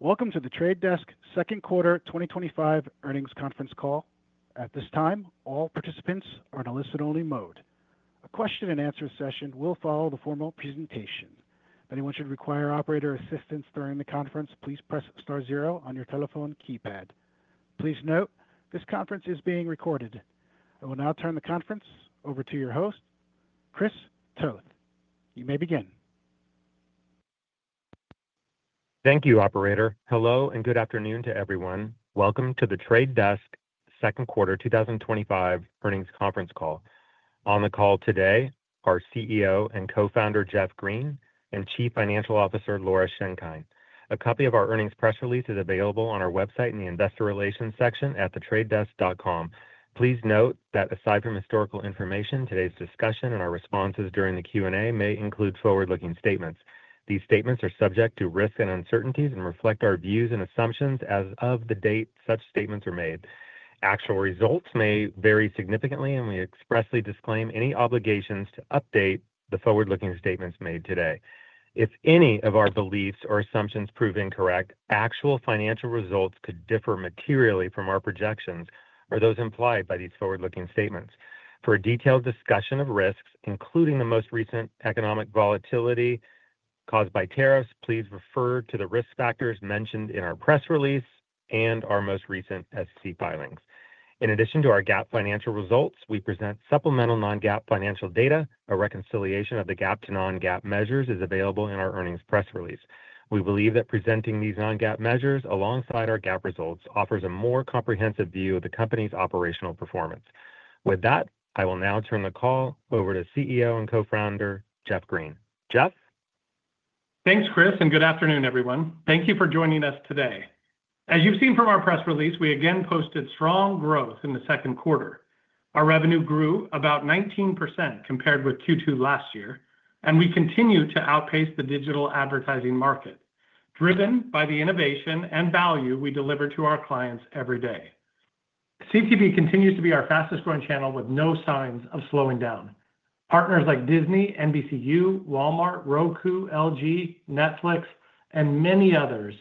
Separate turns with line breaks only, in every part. Welcome to The Trade Desk second quarter 2025 earnings conference call. At this time, all participants are in a listen-only mode. A question and answer session will follow the formal presentation. If anyone should require operator assistance during the conference, please press star zero on your telephone keypad. Please note this conference is being recorded. I will now turn the conference over to your host, Chris Toth. You may begin.
Thank you, operator. Hello and good afternoon to everyone. Welcome to The Trade Desk second quarter 2025 earnings conference call. On the call today are CEO and co-founder Jeff Green and Chief Financial Officer Laura Schenkein. A copy of our earnings press release is available on our website in the Investor Relations section at thetradedesk.com. Please note that aside from historical information, today's discussion and our responses during the Q&A may include forward-looking statements. These statements are subject to risk and uncertainties and reflect our views and assumptions as of the date such statements are made. Actual results may vary significantly, and we expressly disclaim any obligations to update the forward-looking statements made today. If any of our beliefs or assumptions prove incorrect, actual financial results could differ materially from our projections or those implied by these forward-looking statements. For a detailed discussion of risks, including the most recent economic volatility caused by tariffs, please refer to the risk factors mentioned in our press release and our most recent SEC filings. In addition to our GAAP financial results, we present supplemental non-GAAP financial data. A reconciliation of the GAAP to non-GAAP measures is available in our earnings press release. We believe that presenting these non-GAAP measures alongside our GAAP results offers a more comprehensive view of the company's operational performance. With that, I will now turn the call over to CEO and co-founder Jeff Green. Jeff?
Thanks, Chris, and good afternoon, everyone. Thank you for joining us today. As you've seen from our press release, we again posted strong growth in the second quarter. Our revenue grew about 19% compared with Q2 last year, and we continue to outpace the digital advertising market, driven by the innovation and value we deliver to our clients every day. CTV continues to be our fastest growing channel with no signs of slowing down. Partners like Disney, NBCUniversal, Walmart, Roku, LG, Netflix, and many others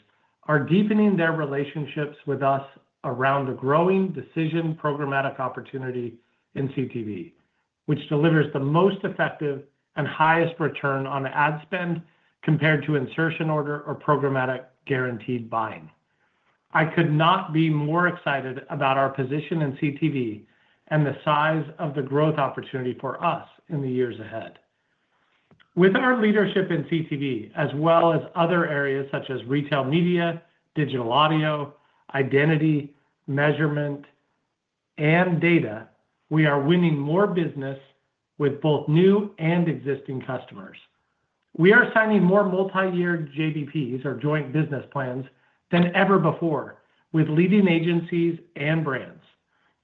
are deepening their relationships with us around the growing decision programmatic opportunity in CTV, which delivers the most effective and highest return on ad spend compared to insertion order or programmatic guaranteed buying. I could not be more excited about our position in CTV and the size of the growth opportunity for us in the years ahead. With our leadership in CTV, as well as other areas such as retail media, digital audio, identity, measurement, and data, we are winning more business with both new and existing customers. We are signing more multi-year JVPs, or joint business plans, than ever before with leading agencies and brands.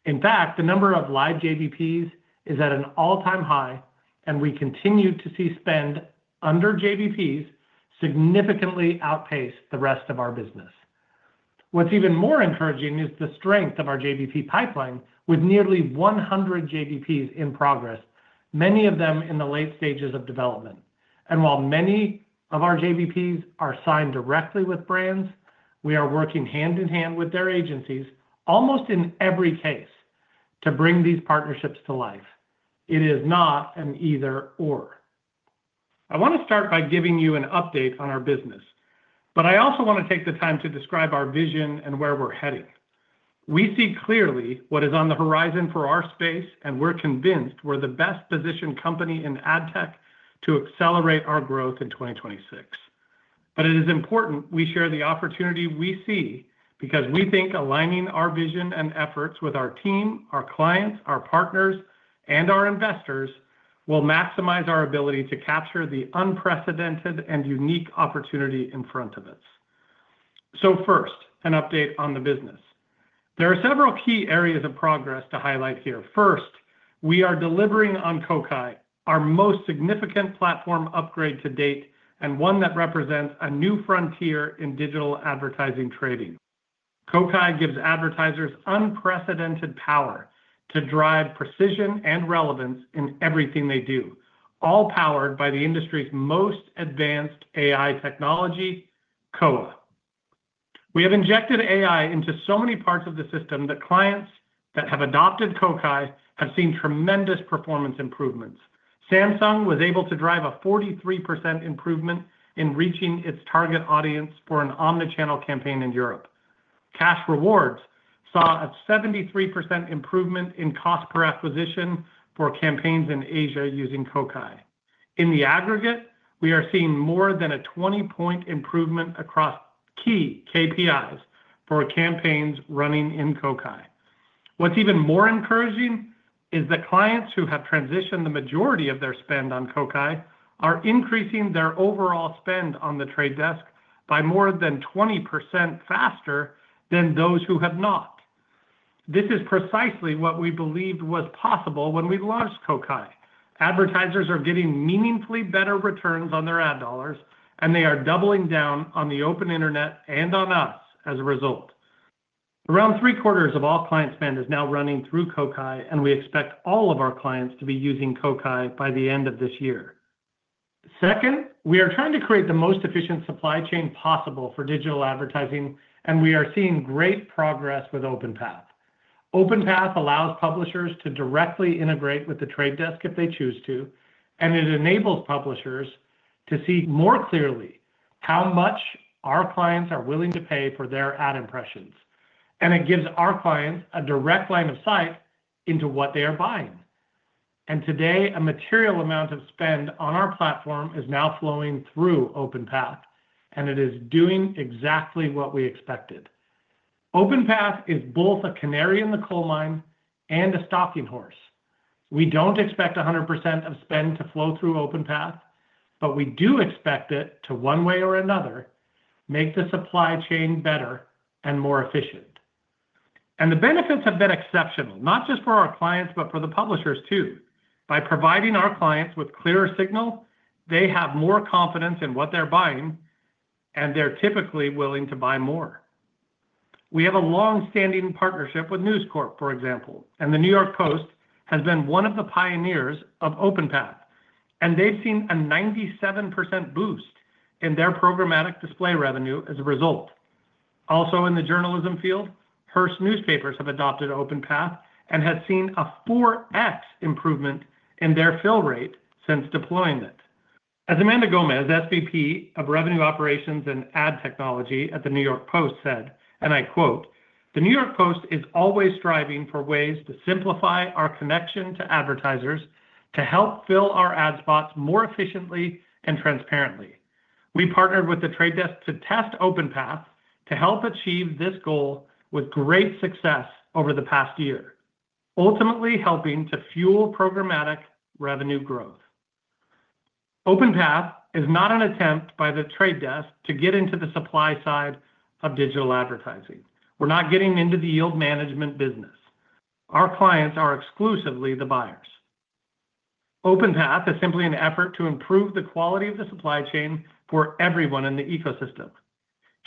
In fact, the number of live JVPs is at an all-time high, and we continue to see spend under JVPs significantly outpace the rest of our business. What's even more encouraging is the strength of our JVP pipeline, with nearly 100 JVPs in progress, many of them in the late stages of development. While many of our JVPs are signed directly with brands, we are working hand in hand with their agencies almost in every case to bring these partnerships to life. It is not an either/or. I want to start by giving you an update on our business, but I also want to take the time to describe our vision and where we're heading. We see clearly what is on the horizon for our space, and we're convinced we're the best positioned company in ad tech to accelerate our growth in 2026. It is important we share the opportunity we see because we think aligning our vision and efforts with our team, our clients, our partners, and our investors will maximize our ability to capture the unprecedented and unique opportunity in front of us. First, an update on the business. There are several key areas of progress to highlight here. First, we are delivering on Kokai, our most significant platform upgrade to date, and one that represents a new frontier in digital advertising trading. Kokai gives advertisers unprecedented power to drive precision and relevance in everything they do, all powered by the industry's most advanced AI technology, Koa. We have injected AI into so many parts of the system that clients that have adopted Kokai have seen tremendous performance improvements. Samsung was able to drive a 43% improvement in reaching its target audience for an omnichannel campaign in Europe. Cash Rewards saw a 73% improvement in cost per acquisition for campaigns in Asia using Kokai. In the aggregate, we are seeing more than a 20% improvement across key KPIs for campaigns running in Kokai. What's even more encouraging is that clients who have transitioned the majority of their spend on Kokai are increasing their overall spend on The Trade Desk by more than 20% faster than those who have not. This is precisely what we believed was possible when we launched Kokai. Advertisers are getting meaningfully better returns on their ad dollars, and they are doubling down on the open internet and on us as a result. Around three quarters of all client spend is now running through Kokai, and we expect all of our clients to be using Kokai by the end of this year. Second, we are trying to create the most efficient supply chain possible for digital advertising, and we are seeing great progress with OpenPath. OpenPath allows publishers to directly integrate with The Trade Desk if they choose to, and it enables publishers to see more clearly how much our clients are willing to pay for their ad impressions. It gives our clients a direct line of sight into what they are buying. Today, a material amount of spend on our platform is now flowing through OpenPath, and it is doing exactly what we expected. OpenPath is both a canary in the coal mine and a stalking horse. We don't expect 100% of spend to flow through OpenPath, but we do expect it to, one way or another, make the supply chain better and more efficient. The benefits have been exceptional, not just for our clients, but for the publishers too. By providing our clients with clearer signal, they have more confidence in what they're buying, and they're typically willing to buy more. We have a long-standing partnership with News Corp, for example, and the New York Post has been one of the pioneers of OpenPath, and they've seen a 97% boost in their programmatic display revenue as a result. Also, in the journalism field, Hearst Newspapers have adopted OpenPath and have seen a 4X improvement in their fill rate since deploying it. As Amanda Gomez, SVP of Revenue Operations and Ad Technology at the New York Post, said, and I quote, "The New York Post is always striving for ways to simplify our connection to advertisers to help fill our ad spots more efficiently and transparently." We partnered with The Trade Desk to test OpenPath to help achieve this goal with great success over the past year, ultimately helping to fuel programmatic revenue growth. OpenPath is not an attempt by The Trade Desk to get into the supply side of digital advertising. We're not getting into the yield management business. Our clients are exclusively the buyers. OpenPath is simply an effort to improve the quality of the supply chain for everyone in the ecosystem.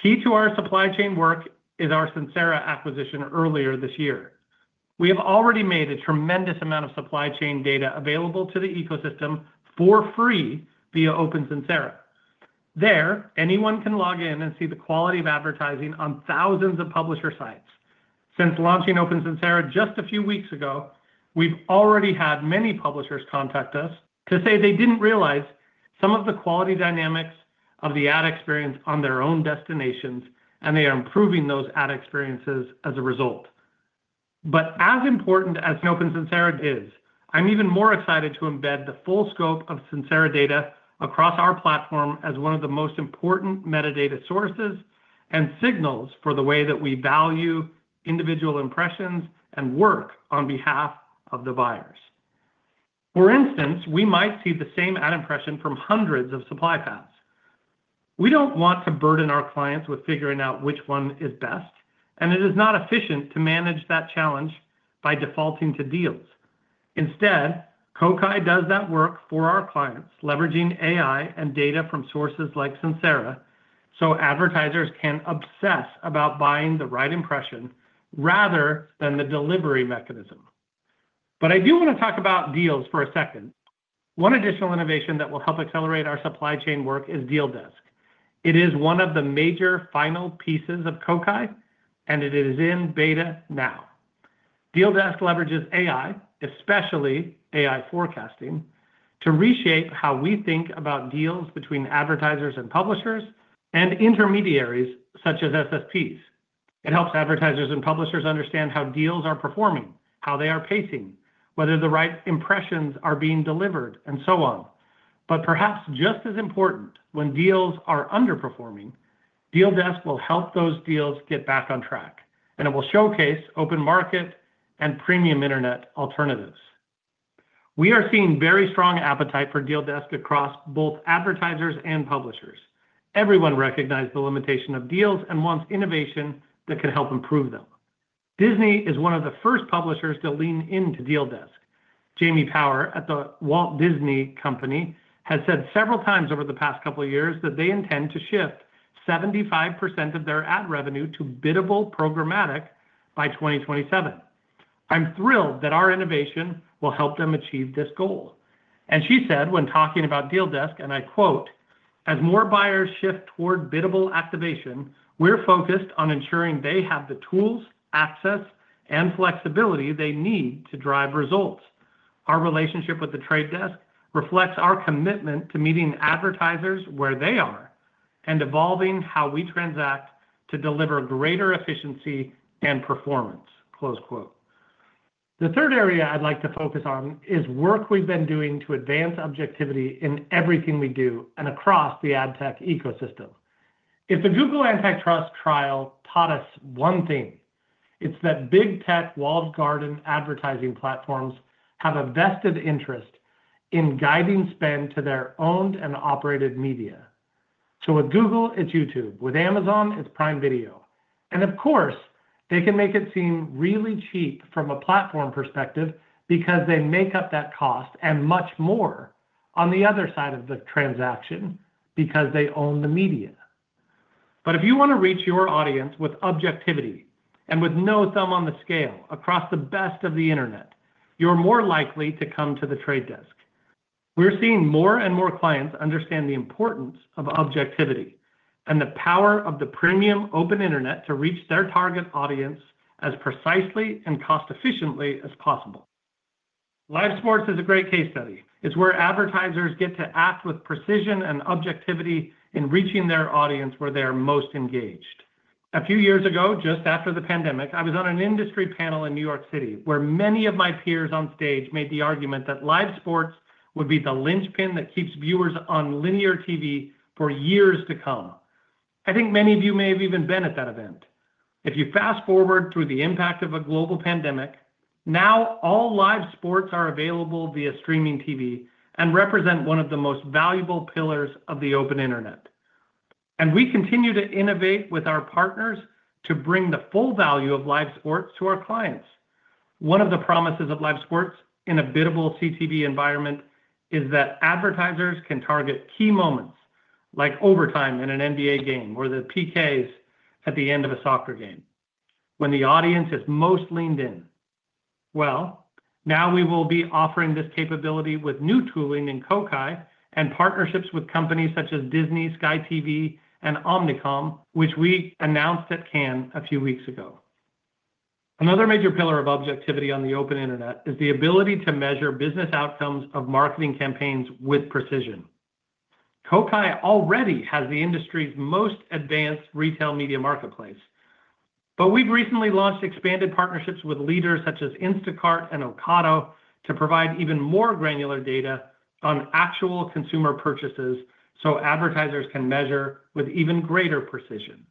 Key to our supply chain work is our Sincera acquisition earlier this year. We have already made a tremendous amount of supply chain data available to the ecosystem for free via Open Sincera. There, anyone can log in and see the quality of advertising on thousands of publisher sites. Since launching Open Sincera just a few weeks ago, we've already had many publishers contact us to say they didn't realize some of the quality dynamics of the ad experience on their own destinations, and they are improving those ad experiences as a result. As important as Open Sincera is, I'm even more excited to embed the full scope of Sincera data across our platform as one of the most important metadata sources and signals for the way that we value individual impressions and work on behalf of the buyers. For instance, we might see the same ad impression from hundreds of supply paths. We don't want to burden our clients with figuring out which one is best, and it is not efficient to manage that challenge by defaulting to deals. Instead, Kokai does that work for our clients, leveraging AI and data from sources like Sincera so advertisers can obsess about buying the right impression rather than the delivery mechanism. I do want to talk about deals for a second. One additional innovation that will help accelerate our supply chain work is Deal Desk. It is one of the major final pieces of Kokai, and it is in beta now. Deal Desk leverages AI, especially AI forecasting, to reshape how we think about deals between advertisers and publishers and intermediaries such as SSPs. It helps advertisers and publishers understand how deals are performing, how they are pacing, whether the right impressions are being delivered, and so on. Perhaps just as important, when deals are underperforming, Deal Desk will help those deals get back on track, and it will showcase open market and premium internet alternatives. We are seeing very strong appetite for Deal Desk across both advertisers and publishers. Everyone recognizes the limitation of deals and wants innovation that can help improve them. Disney is one of the first publishers to lean into Deal Desk. Jamie Power at The Walt Disney Company has said several times over the past couple of years that they intend to shift 75% of their ad revenue to biddable programmatic by 2027. I'm thrilled that our innovation will help them achieve this goal. She said when talking about Deal Desk, and I quote, "As more buyers shift toward biddable activation, we're focused on ensuring they have the tools, access, and flexibility they need to drive results. Our relationship with The Trade Desk reflects our commitment to meeting advertisers where they are and evolving how we transact to deliver greater efficiency and performance." The third area I'd like to focus on is work we've been doing to advance objectivity in everything we do and across the ad tech ecosystem. If the Google antitrust trial taught us one thing, it's that big tech walled garden advertising platforms have a vested interest in guiding spend to their owned and operated media. With Google, it's YouTube. With Amazon, it's Prime Video. Of course, they can make it seem really cheap from a platform perspective because they make up that cost and much more on the other side of the transaction because they own the media. If you want to reach your audience with objectivity and with no thumb on the scale across the best of the internet, you're more likely to come to The Trade Desk. We're seeing more and more clients understand the importance of objectivity and the power of the premium open internet to reach their target audience as precisely and cost-efficiently as possible. Live sports is a great case study. It's where advertisers get to act with precision and objectivity in reaching their audience where they are most engaged. A few years ago, just after the pandemic, I was on an industry panel in New York City where many of my peers on stage made the argument that live sports would be the linchpin that keeps viewers on linear TV for years to come. I think many of you may have even been at that event. If you fast forward through the impact of a global pandemic, now all live sports are available via streaming TV and represent one of the most valuable pillars of the open internet. We continue to innovate with our partners to bring the full value of live sports to our clients. One of the promises of live sports in a biddable CTV environment is that advertisers can target key moments, like overtime in an NBA game or the PKs at the end of a soccer game, when the audience is most leaned in. We will be offering this capability with new tooling in Kokai and partnerships with companies such as Disney, Sky TV, and Omnicom, which we announced at Cannes a few weeks ago. Another major pillar of objectivity on the open internet is the ability to measure business outcomes of marketing campaigns with precision. Kokai already has the industry's most advanced retail media marketplace. We have recently launched expanded partnerships with leaders such as Instacart and Ocado to provide even more granular data on actual consumer purchases so advertisers can measure with even greater precision.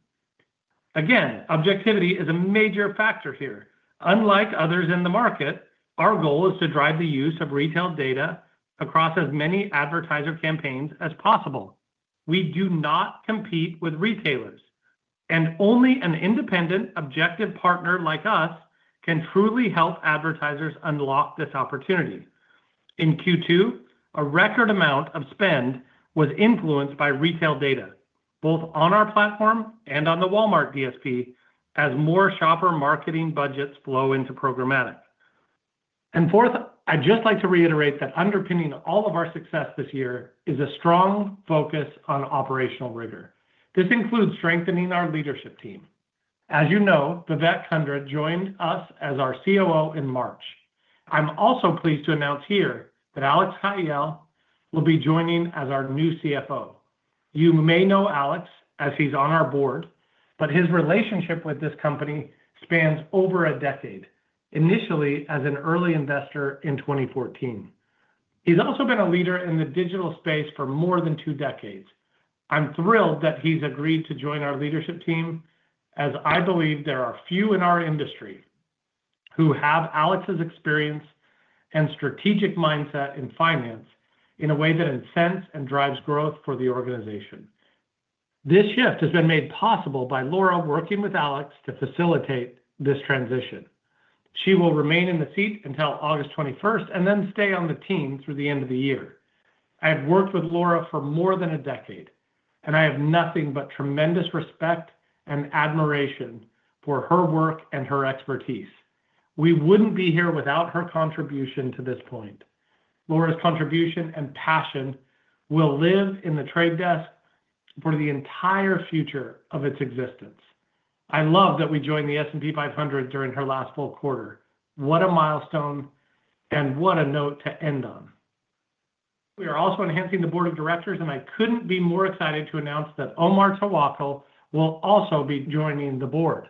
Objectivity is a major factor here. Unlike others in the market, our goal is to drive the use of retail data across as many advertiser campaigns as possible. We do not compete with retailers, and only an independent, objective partner like us can truly help advertisers unlock this opportunity. In Q2, a record amount of spend was influenced by retail data, both on our platform and on the Walmart DSP, as more shopper marketing budgets flow into programmatic. Fourth, I'd just like to reiterate that underpinning all of our success this year is a strong focus on operational rigor. This includes strengthening our leadership team. As you know, Vivek Kundra joined us as our COO in March. I'm also pleased to announce here that Alex Haigh will be joining as our new CFO. You may know Alex as he's on our board, but his relationship with this company spans over a decade, initially as an early investor in 2014. He's also been a leader in the digital space for more than two decades. I'm thrilled that he's agreed to join our leadership team, as I believe there are few in our industry who have Alex's experience and strategic mindset in finance in a way that incents and drives growth for the organization. This shift has been made possible by Laura working with Alex to facilitate this transition. She will remain in the seat until August 21st and then stay on the team through the end of the year. I have worked with Laura for more than a decade, and I have nothing but tremendous respect and admiration for her work and her expertise. We wouldn't be here without her contribution to this point. Laura's contribution and passion will live in The Trade Desk for the entire future of its existence. I love that we joined the S&P 500 during her last full quarter. What a milestone and what a note to end on. We are also enhancing the Board of Directors, and I couldn't be more excited to announce that Omar Tawakol will also be joining the board.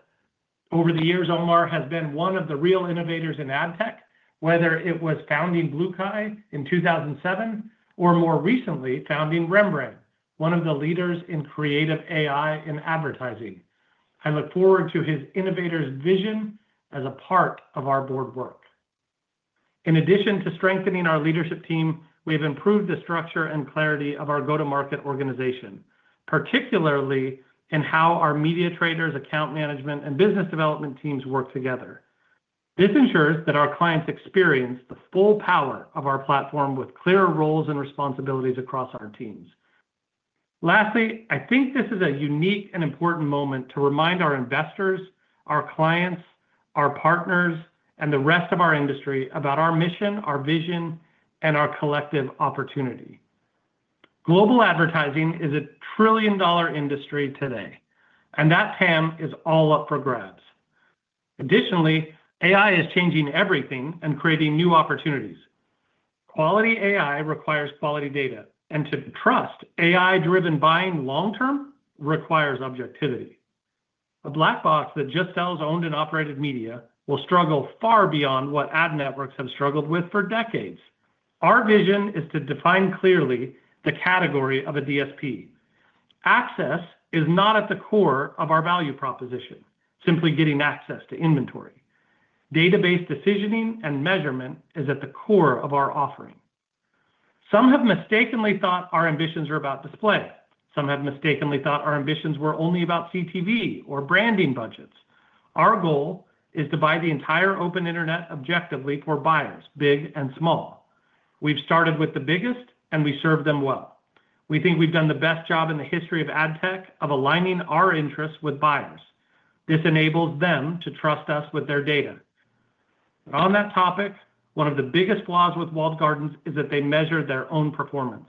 Over the years, Omar has been one of the real innovators in ad tech, whether it was founding BlueKai in 2007 or more recently founding Rembrand, one of the leaders in creative AI in advertising. I look forward to his innovator's vision as a part of our board work. In addition to strengthening our leadership team, we have improved the structure and clarity of our go-to-market organization, particularly in how our media traders, account management, and business development teams work together. This ensures that our clients experience the full palette of our platform with clearer roles and responsibilities across our teams. Lastly, I think this is a unique and important moment to remind our investors, our clients, our partners, and the rest of our industry about our mission, our vision, and our collective opportunity. Global advertising is a trillion-dollar industry today, and that ham is all up for grabs. Additionally, AI is changing everything and creating new opportunities. Quality AI requires quality data, and to trust AI-driven buying long-term requires objectivity. A black box that just sells owned and operated media will struggle far beyond what ad networks have struggled with for decades. Our vision is to define clearly the category of a DSP. Access is not at the core of our value proposition, simply getting access to inventory. Database decisioning and measurement is at the core of our offering. Some have mistakenly thought our ambitions were about display. Some have mistakenly thought our ambitions were only about CTV or branding budgets. Our goal is to buy the entire open internet objectively for buyers, big and small. We've started with the biggest, and we serve them well. We think we've done the best job in the history of ad tech of aligning our interests with buyers. This enables them to trust us with their data. On that topic, one of the biggest flaws with walled gardens is that they measure their own performance.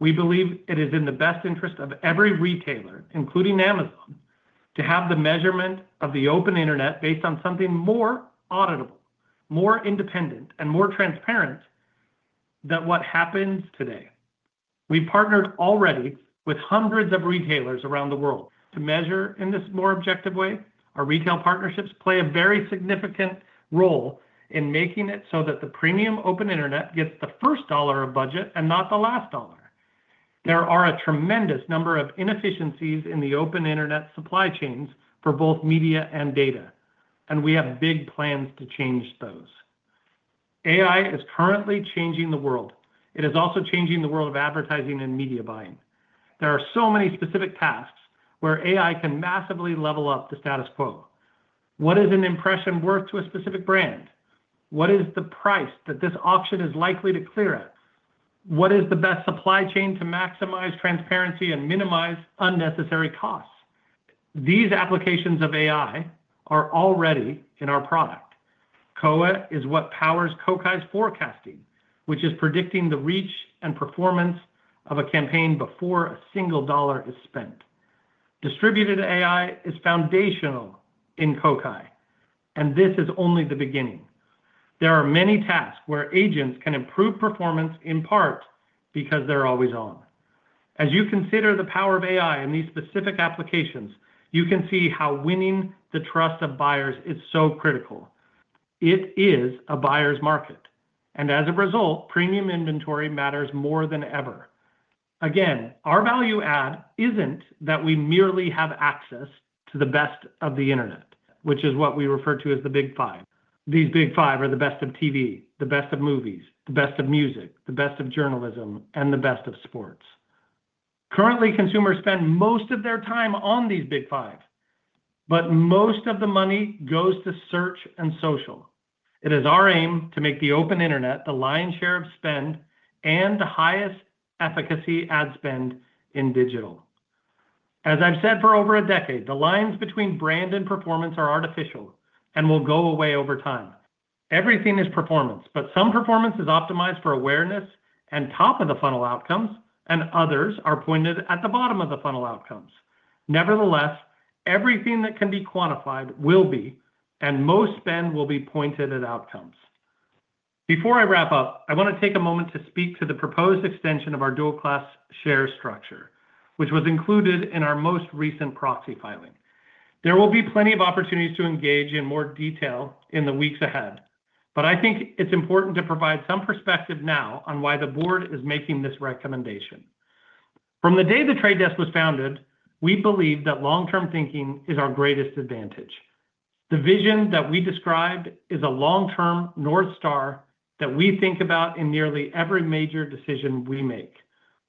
We believe it is in the best interest of every retailer, including Amazon, to have the measurement of the open internet based on something more auditable, more independent, and more transparent than what happens today. We've partnered already with hundreds of retailers around the world to measure in this more objective way. Our retail partnerships play a very significant role in making it so that the premium open internet gets the first dollar of budget and not the last dollar. There are a tremendous number of inefficiencies in the open internet supply chains for both media and data, and we have big plans to change those. AI is currently changing the world. It is also changing the world of advertising and media buying. There are so many specific tasks where AI can massively level up the status quo. What is an impression worth to a specific brand? What is the price that this auction is likely to clear at? What is the best supply chain to maximize transparency and minimize unnecessary costs? These applications of AI are already in our product. Koa is what powers Kokai's forecasting, which is predicting the reach and performance of a campaign before a single dollar is spent. Distributed AI is foundational in Kokai, and this is only the beginning. There are many tasks where agents can improve performance in part because they're always on. As you consider the power of AI in these specific applications, you can see how winning the trust of buyers is so critical. It is a buyer's market, and as a result, premium inventory matters more than ever. Again, our value add isn't that we merely have access to the best of the internet, which is what we refer to as the big five. These big five are the best of TV, the best of movies, the best of music, the best of journalism, and the best of sports. Currently, consumers spend most of their time on these big five, but most of the money goes to search and social. It is our aim to make the open internet the lion's share of spend and the highest efficacy ad spend in digital. As I've said for over a decade, the lines between brand and performance are artificial and will go away over time. Everything is performance, but some performance is optimized for awareness and top-of-the-funnel outcomes, and others are pointed at the bottom of the funnel outcomes. Nevertheless, everything that can be quantified will be, and most spend will be pointed at outcomes. Before I wrap up, I want to take a moment to speak to the proposed extension of our dual-class share structure, which was included in our most recent proxy filing. There will be plenty of opportunities to engage in more detail in the weeks ahead, but I think it's important to provide some perspective now on why the board is making this recommendation. From the day The Trade Desk was founded, we believe that long-term thinking is our greatest advantage. The vision that we described is a long-term North Star that we think about in nearly every major decision we make.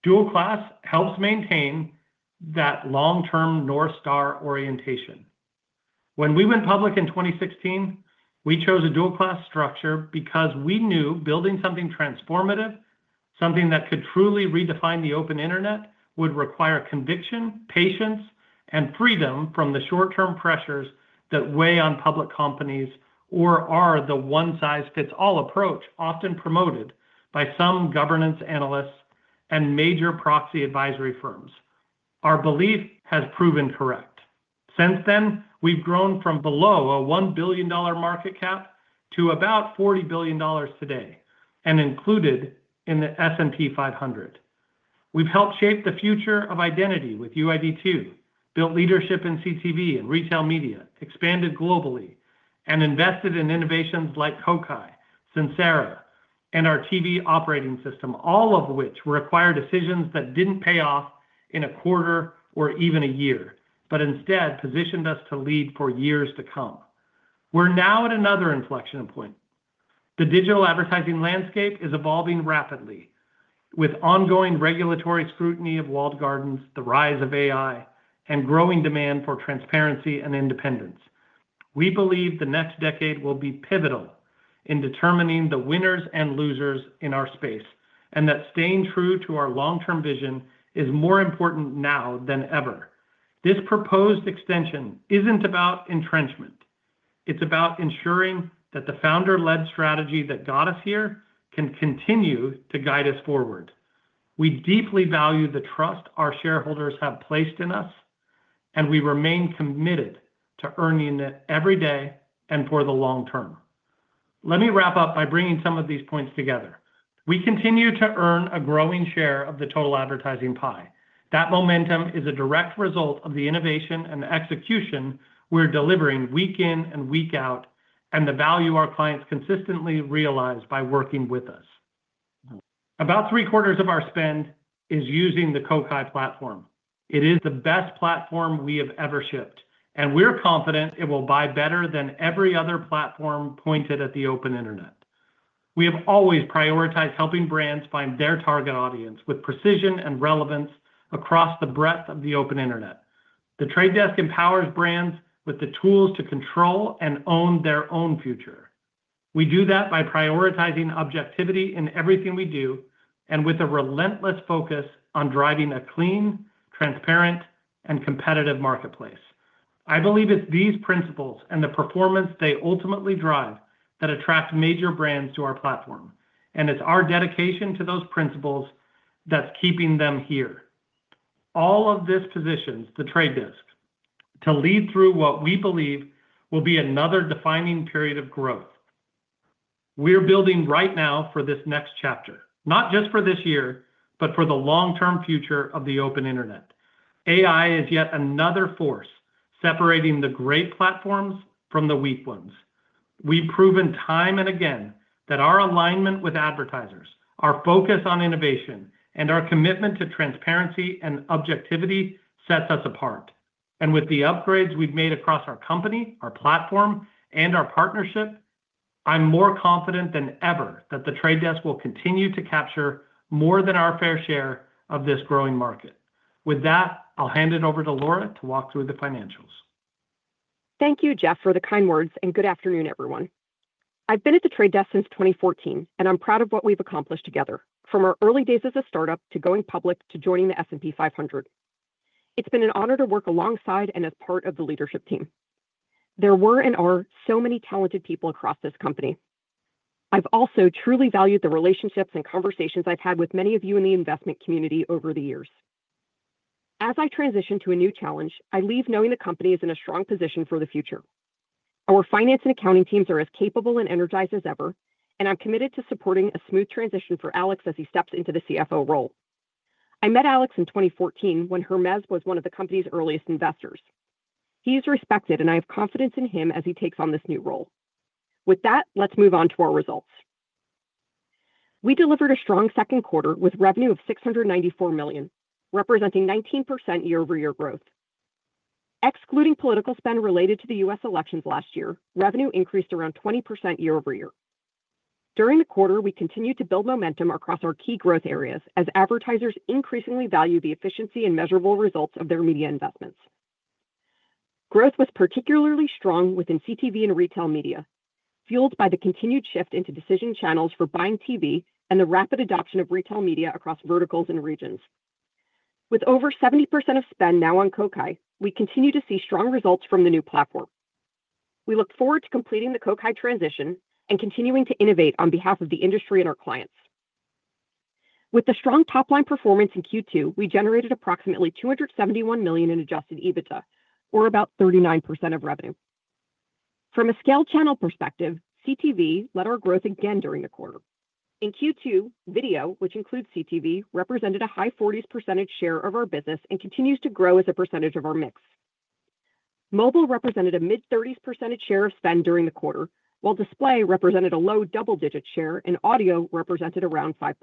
Dual-class helps maintain that long-term North Star orientation. When we went public in 2016, we chose a dual-class structure because we knew building something transformative, something that could truly redefine the open internet, would require conviction, patience, and freedom from the short-term pressures that weigh on public companies or are the one-size-fits-all approach often promoted by some governance analysts and major proxy advisory firms. Our belief has proven correct. Since then, we've grown from below a $1 billion market cap to about $40 billion today and included in the S&P 500. We've helped shape the future of identity with UID2, built leadership in CTV and retail media, expanded globally, and invested in innovations like Kokai, Sincera, and our TV operating system, all of which require decisions that didn't pay off in a quarter or even a year, but instead positioned us to lead for years to come. We're now at another inflection point. The digital advertising landscape is evolving rapidly with ongoing regulatory scrutiny of walled gardens, the rise of AI, and growing demand for transparency and independence. We believe the next decade will be pivotal in determining the winners and losers in our space and that staying true to our long-term vision is more important now than ever. This proposed extension isn't about entrenchment. It's about ensuring that the founder-led strategy that got us here can continue to guide us forward. We deeply value the trust our shareholders have placed in us, and we remain committed to earning it every day and for the long term. Let me wrap up by bringing some of these points together. We continue to earn a growing share of the total advertising pie. That momentum is a direct result of the innovation and execution we're delivering week in and week out, and the value our clients consistently realize by working with us. About three quarters of our spend is using the Kokai platform. It is the best platform we have ever shipped, and we're confident it will buy better than every other platform pointed at the open internet. We have always prioritized helping brands find their target audience with precision and relevance across the breadth of the open internet. The Trade Desk empowers brands with the tools to control and own their own future. We do that by prioritizing objectivity in everything we do and with a relentless focus on driving a clean, transparent, and competitive marketplace. I believe it's these principles and the performance they ultimately drive that attract major brands to our platform, and it's our dedication to those principles that's keeping them here. All of this positions The Trade Desk to lead through what we believe will be another defining period of growth. We're building right now for this next chapter, not just for this year, but for the long-term future of the open internet. AI is yet another force separating the great platforms from the weak ones. We've proven time and again that our alignment with advertisers, our focus on innovation, and our commitment to transparency and objectivity sets us apart. With the upgrades we've made across our company, our platform, and our partnership, I'm more confident than ever that The Trade Desk will continue to capture more than our fair share of this growing market. With that, I'll hand it over to Laura to walk through the financials.
Thank you, Jeff, for the kind words, and good afternoon, everyone. I've been at The Trade Desk since 2014, and I'm proud of what we've accomplished together, from our early days as a startup to going public to joining the S&P 500. It's been an honor to work alongside and as part of the leadership team. There were and are so many talented people across this company. I've also truly valued the relationships and conversations I've had with many of you in the investment community over the years. As I transition to a new challenge, I leave knowing the company is in a strong position for the future. Our finance and accounting teams are as capable and energized as ever, and I'm committed to supporting a smooth transition for Alex as he steps into the CFO role. I met Alex in 2014 when Hermès was one of the company's earliest investors. He is respected, and I have confidence in him as he takes on this new role. With that, let's move on to our results. We delivered a strong second quarter with revenue of $694 million, representing 19% year-over-year growth. Excluding political spend related to the U.S. elections last year, revenue increased around 20% year-over-year. During the quarter, we continued to build momentum across our key growth areas as advertisers increasingly value the efficiency and measurable results of their media investments. Growth was particularly strong within CTV and retail media, fueled by the continued shift into decision channels for buying TV and the rapid adoption of retail media across verticals and regions. With over 70% of spend now on Kokai, we continue to see strong results from the new platform. We look forward to completing the Kokai transition and continuing to innovate on behalf of the industry and our clients. With the strong top-line performance in Q2, we generated approximately $271 million in adjusted EBITDA, or about 39% of revenue. From a scale channel perspective, CTV led our growth again during the quarter. In Q2, video, which includes CTV, represented a high 40s % share of our business and continues to grow as a percentage of our mix. Mobile represented a mid-30s % share of spend during the quarter, while display represented a low double-digit share and audio represented around 5%.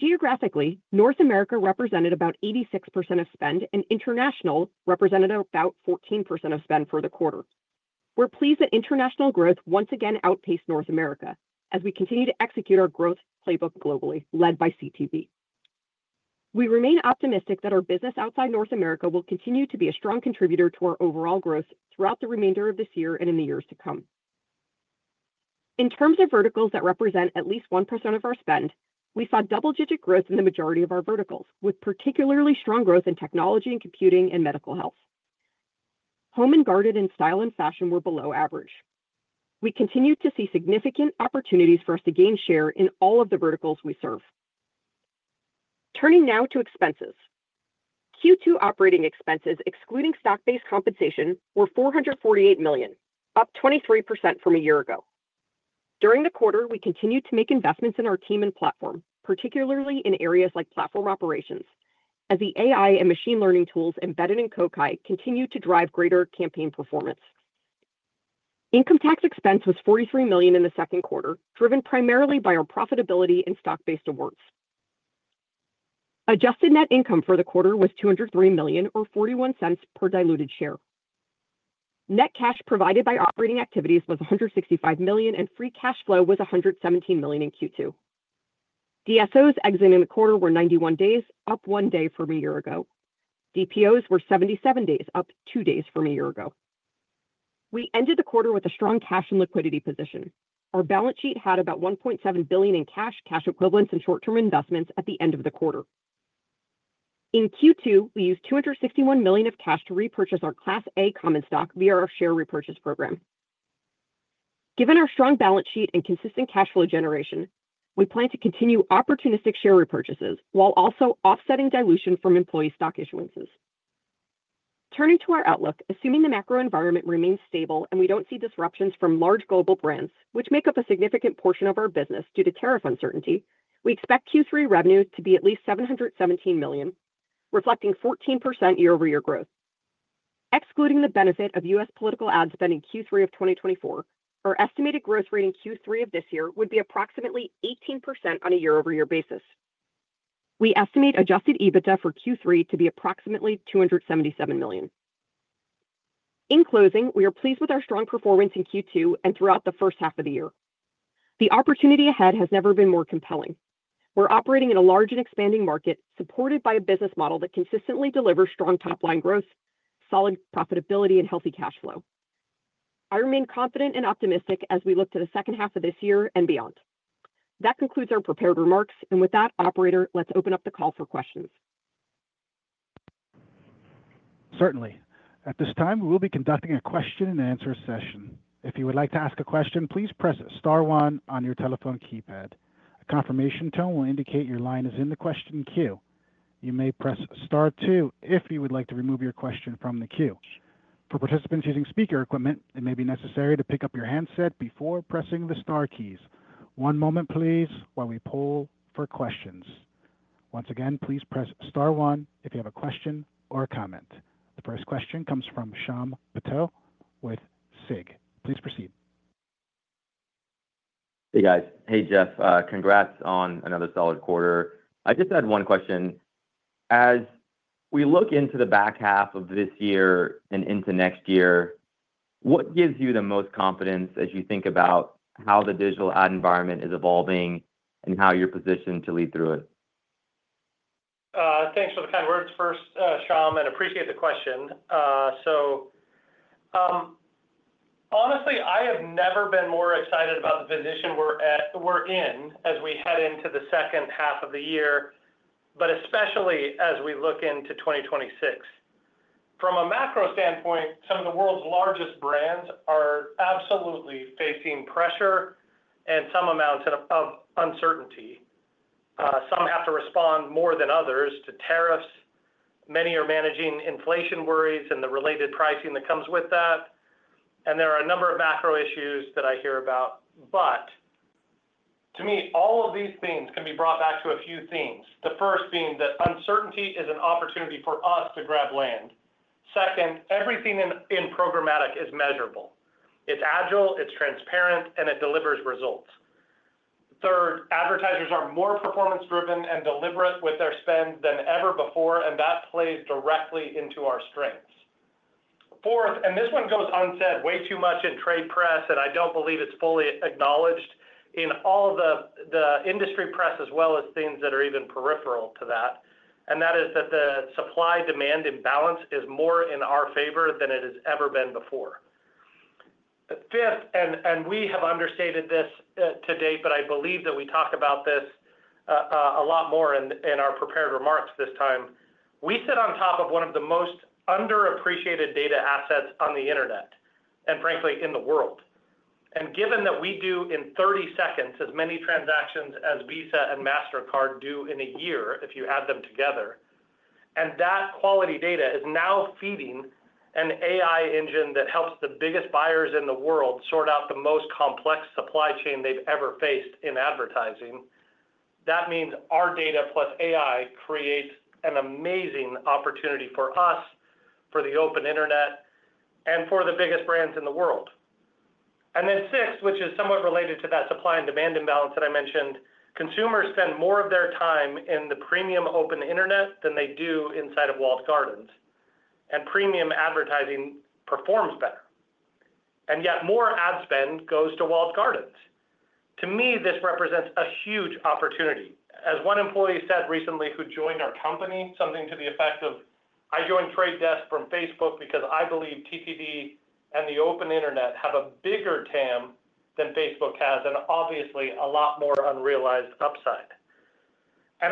Geographically, North America represented about 86% of spend and international represented about 14% of spend for the quarter. We're pleased that international growth once again outpaced North America as we continue to execute our growth playbook globally, led by CTV. We remain optimistic that our business outside North America will continue to be a strong contributor to our overall growth throughout the remainder of this year and in the years to come. In terms of verticals that represent at least 1% of our spend, we saw double-digit growth in the majority of our verticals, with particularly strong growth in technology and computing and medical health. Home and garden and style and fashion were below average. We continued to see significant opportunities for us to gain share in all of the verticals we serve. Turning now to expenses. Q2 operating expenses, excluding stock-based compensation, were $448 million, up 23% from a year ago. During the quarter, we continued to make investments in our team and platform, particularly in areas like platform operations, as the AI and machine learning tools embedded in Kokai continue to drive greater campaign performance. Income tax expense was $43 million in the second quarter, driven primarily by our profitability and stock-based awards. Adjusted net income for the quarter was $203 million, or $0.41 per diluted share. Net cash provided by operating activities was $165 million, and free cash flow was $117 million in Q2. DSOs exiting the quarter were 91 days, up one day from a year ago. DPOs were 77 days, up two days from a year ago. We ended the quarter with a strong cash and liquidity position. Our balance sheet had about $1.7 billion in cash, cash equivalents, and short-term investments at the end of the quarter. In Q2, we used $261 million of cash to repurchase our Class A common stock via our share repurchase program. Given our strong balance sheet and consistent cash flow generation, we plan to continue opportunistic share repurchases while also offsetting dilution from employee stock issuances. Turning to our outlook, assuming the macro environment remains stable and we don't see disruptions from large global brands, which make up a significant portion of our business due to tariff uncertainty, we expect Q3 revenue to be at least $717 million, reflecting 14% year-over-year growth. Excluding the benefit of U.S. political ad spend in Q3 of 2024, our estimated growth rate in Q3 of this year would be approximately 18% on a year-over-year basis. We estimate adjusted EBITDA for Q3 to be approximately $277 million. In closing, we are pleased with our strong performance in Q2 and throughout the first half of the year. The opportunity ahead has never been more compelling. We're operating in a large and expanding market supported by a business model that consistently delivers strong top-line growth, solid profitability, and healthy cash flow. I remain confident and optimistic as we look to the second half of this year and beyond. That concludes our prepared remarks, and with that, operator, let's open up the call for questions.
Certainly. At this time, we will be conducting a question and answer session. If you would like to ask a question, please press star one on your telephone keypad. A confirmation tone will indicate your line is in the question queue. You may press star two if you would like to remove your question from the queue. For participants using speaker equipment, it may be necessary to pick up your handset before pressing the star keys. One moment, please, while we poll for questions. Once again, please press star one if you have a question or a comment. The first question comes from Shyam Patil with Susquehanna. Please proceed.
Hey, guys. Hey, Jeff. Congrats on another solid quarter. I just had one question. As we look into the back half of this year and into next year, what gives you the most confidence as you think about how the digital ad environment is evolving and how you're positioned to lead through it?
Thanks for the kind words first, Shyam, and I appreciate the question. Honestly, I have never been more excited about the position we're in as we head into the second half of the year, but especially as we look into 2026. From a macro standpoint, some of the world's largest brands are absolutely facing pressure and some amounts of uncertainty. Some have to respond more than others to tariffs. Many are managing inflation worries and the related pricing that comes with that. There are a number of macro issues that I hear about. To me, all of these themes can be brought back to a few themes. The first being that uncertainty is an opportunity for us to grab land. Second, everything in programmatic is measurable. It's agile, it's transparent, and it delivers results. Third, advertisers are more performance-driven and deliberate with their spend than ever before, and that plays directly into our strengths. Fourth, and this one goes unsaid way too much in trade press, and I don't believe it's fully acknowledged in all the industry press as well as things that are even peripheral to that, and that is that the supply-demand imbalance is more in our favor than it has ever been before. Fifth, and we have understated this to date, but I believe that we talk about this a lot more in our prepared remarks this time, we sit on top of one of the most underappreciated data assets on the internet and frankly in the world. Given that we do in 30 seconds as many transactions as Visa and Mastercard do in a year if you add them together, and that quality data is now feeding an AI engine that helps the biggest buyers in the world sort out the most complex supply chain they've ever faced in advertising, that means our data plus AI creates an amazing opportunity for us, for the open internet, and for the biggest brands in the world. Sixth, which is somewhat related to that supply and demand imbalance that I mentioned, consumers spend more of their time in the premium open internet than they do inside of walled gardens, and premium advertising performs better. Yet more ad spend goes to walled gardens. To me, this represents a huge opportunity. As one employee said recently who joined our company, something to the effect of, "I joined The Trade Desk from Facebook because I believe TTD and the open internet have a bigger TAM than Facebook has and obviously a lot more unrealized upside."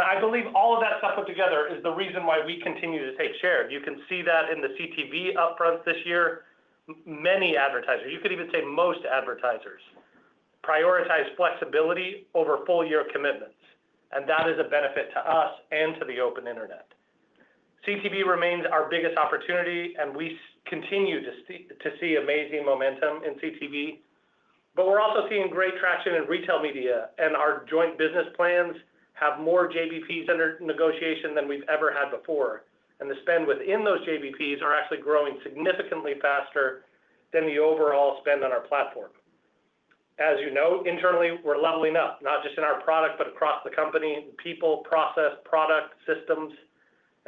I believe all of that stuff put together is the reason why we continue to take share. You can see that in the CTV upfront this year. Many advertisers, you could even say most advertisers, prioritize flexibility over full-year commitments, and that is a benefit to us and to the open internet. CTV remains our biggest opportunity, and we continue to see amazing momentum in CTV, but we're also seeing great traction in retail media, and our joint business plans have more JVPs under negotiation than we've ever had before, and the spend within those JVPs is actually growing significantly faster than the overall spend on our platform. As you know, internally, we're leveling up, not just in our product, but across the company, people, process, product, systems,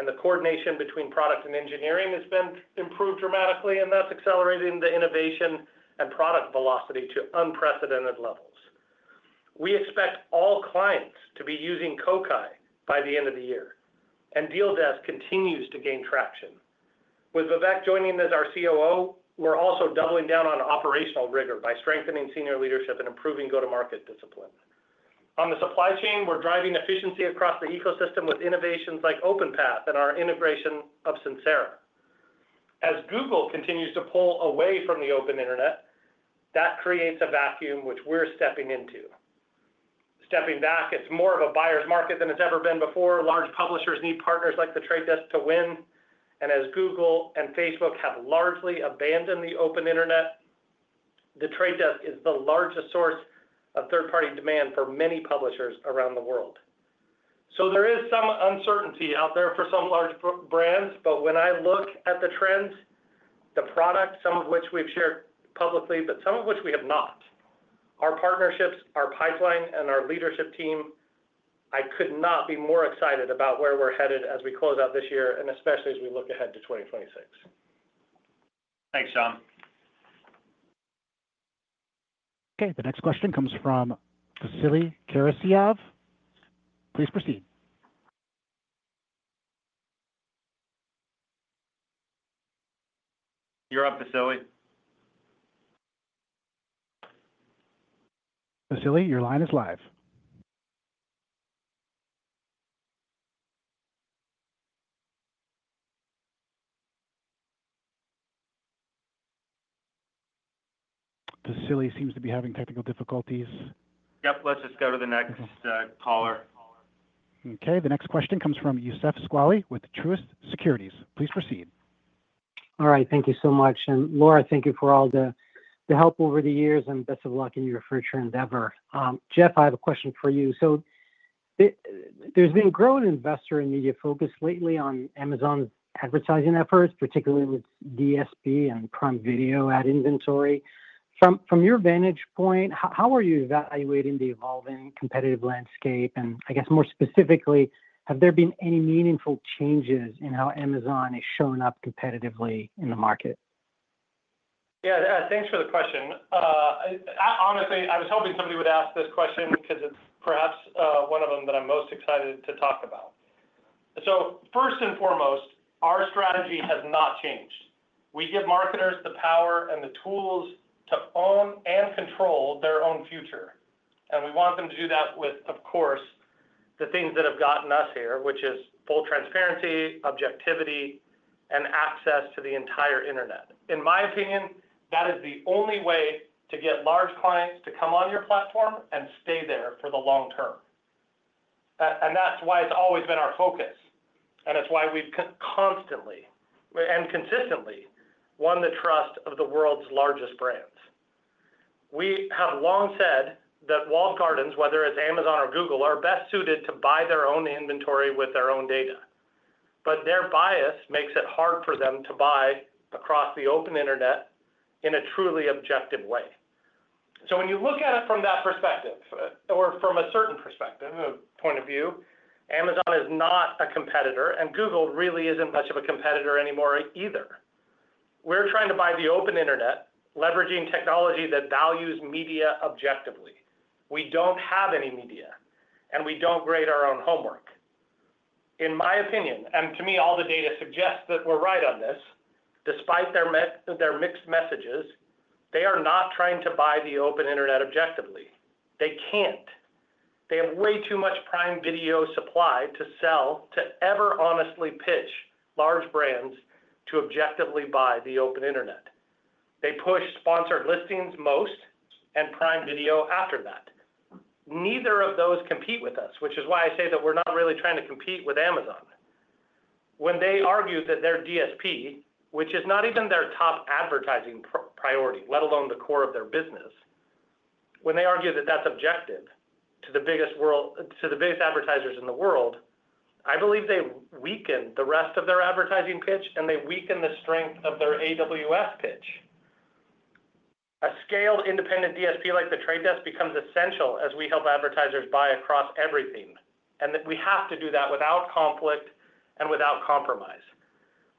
and the coordination between product and engineering has been improved dramatically, and that's accelerating the innovation and product velocity to unprecedented levels. We expect all clients to be using Kokai by the end of the year, and Deal Desk continues to gain traction. With Vivek joining as our COO, we're also doubling down on operational rigor by strengthening senior leadership and improving go-to-market discipline. On the supply chain, we're driving efficiency across the ecosystem with innovations like OpenPath and our integration of Sincera. As Google continues to pull away from the open internet, that creates a vacuum which we're stepping into. Stepping back, it's more of a buyer's market than it's ever been before. Large publishers need partners like The Trade Desk to win, and as Google and Facebook have largely abandoned the open internet, The Trade Desk is the largest source of third-party demand for many publishers around the world. There is some uncertainty out there for some large brands, but when I look at the trends, the product, some of which we've shared publicly, but some of which we have not, our partnerships, our pipeline, and our leadership team, I could not be more excited about where we're headed as we close out this year and especially as we loo k ahead to 2026.
Thanks, Shyam.
Okay, the next question comes from Vasily Karasyov. Please proceed.
You're up, Vasily.
Vasily, your line is live. Vasily seems to be having technical difficulties.
Yep, let's just go to the next caller.
Okay, the next question comes from Youssef Squali with Truist Securities. Please proceed.
All right, thank you so much. Laura, thank you for all the help over the years, and best of luck in your future endeavor. Jeff, I have a question for you. There has been growing investor and media focus lately on Amazon's advertising efforts, particularly with DSP and Prime Video ad inventory. From your vantage point, how are you evaluating the evolving competitive landscape? More specifically, have there been any meaningful changes in how Amazon is showing up competitively in the market?
Yeah, thanks for the question. Honestly, I was hoping somebody would ask this question because it's perhaps one of them that I'm most excited to talk about. First and foremost, our strategy has not changed. We give marketers the power and the tools to own and control their own future. We want them to do that with, of course, the things that have gotten us here, which is full transparency, objectivity, and access to the entire internet. In my opinion, that is the only way to get large clients to come on your platform and stay there for the long term. That's why it's always been our focus, and it's why we've constantly and consistently won the trust of the world's largest brands. We have long said that walled gardens, whether it's Amazon or Google, are best suited to buy their own inventory with their own data. Their bias makes it hard for them to buy across the open internet in a truly objective way. When you look at it from that perspective, or from a certain perspective point of view, Amazon is not a competitor, and Google really isn't much of a competitor anymore either. We're trying to buy the open internet, leveraging technology that values media objectively. We don't have any media, and we don't grade our own homework. In my opinion, and to me, all the data suggests that we're right on this, despite their mixed messages, they are not trying to buy the open internet objectively. They can't. They have way too much Prime Video supply to sell to ever honestly pitch large brands to objectively buy the open internet. They push sponsored listings most and Prime Video after that. Neither of those compete with us, which is why I say that we're not really trying to compete with Amazon. When they argue that their DSP, which is not even their top advertising priority, let alone the core of their business, when they argue that that's objective to the biggest advertisers in the world, I believe they weaken the rest of their advertising pitch, and they weaken the strength of their AWS pitch. A scaled independent DSP like The Trade Desk becomes essential as we help advertisers buy across everything, and we have to do that without conflict and without compromise.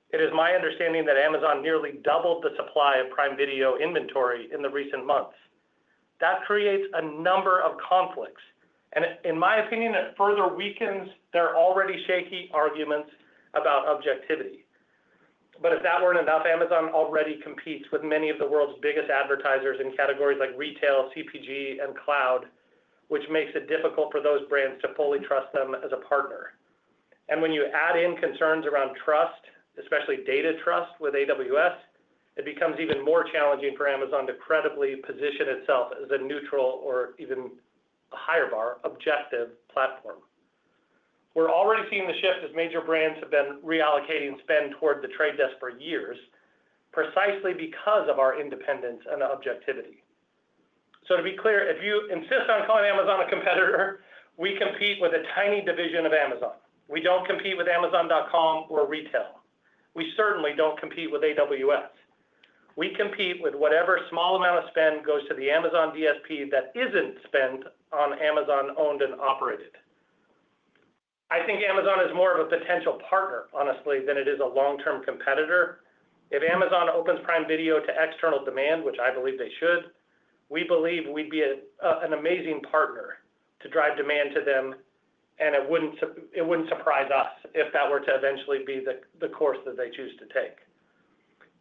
It is my understanding that Amazon nearly doubled the supply of Prime Video inventory in the recent months. That creates a number of conflicts, and in my opinion, it further weakens their already shaky arguments about objectivity. If that weren't enough, Amazon already competes with many of the world's biggest advertisers in categories like retail, CPG, and cloud, which makes it difficult for those brands to fully trust them as a partner. When you add in concerns around trust, especially data trust with AWS, it becomes even more challenging for Amazon to credibly position itself as a neutral or even a higher bar objective platform. We're already seeing the shift as major brands have been reallocating spend toward The Trade Desk for years, precisely because of our independence and objectivity. To be clear, if you insist on calling Amazon a competitor, we compete with a tiny division of Amazon. We don't compete with Amazon.com or retail. We certainly don't compete with AWS. We compete with whatever small amount of spend goes to the Amazon DSP that isn't spent on Amazon owned and operated. I think Amazon is more of a potential partner, honestly, than it is a long-term competitor. If Amazon opens Prime Video to external demand, which I believe they should, we believe we'd be an amazing partner to drive demand to them, and it wouldn't surprise us if that were to eventually be the course that they choose to take.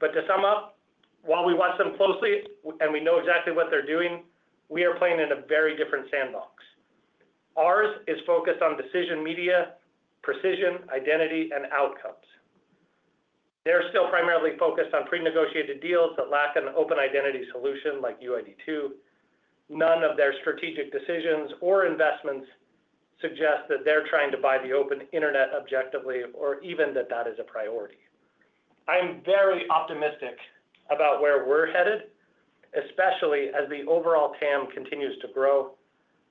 To sum up, while we watch them closely and we know exactly what they're doing, we are playing in a very different sandbox. Ours is focused on decision media, precision, identity, and outcomes. They're still primarily focused on pre-negotiated deals that lack an open identity solution like UID2. None of their strategic decisions or investments suggest that they're trying to buy the open internet objectively or even that that is a priority. I'm very optimistic about where we're headed, especially as the overall TAM continues to grow.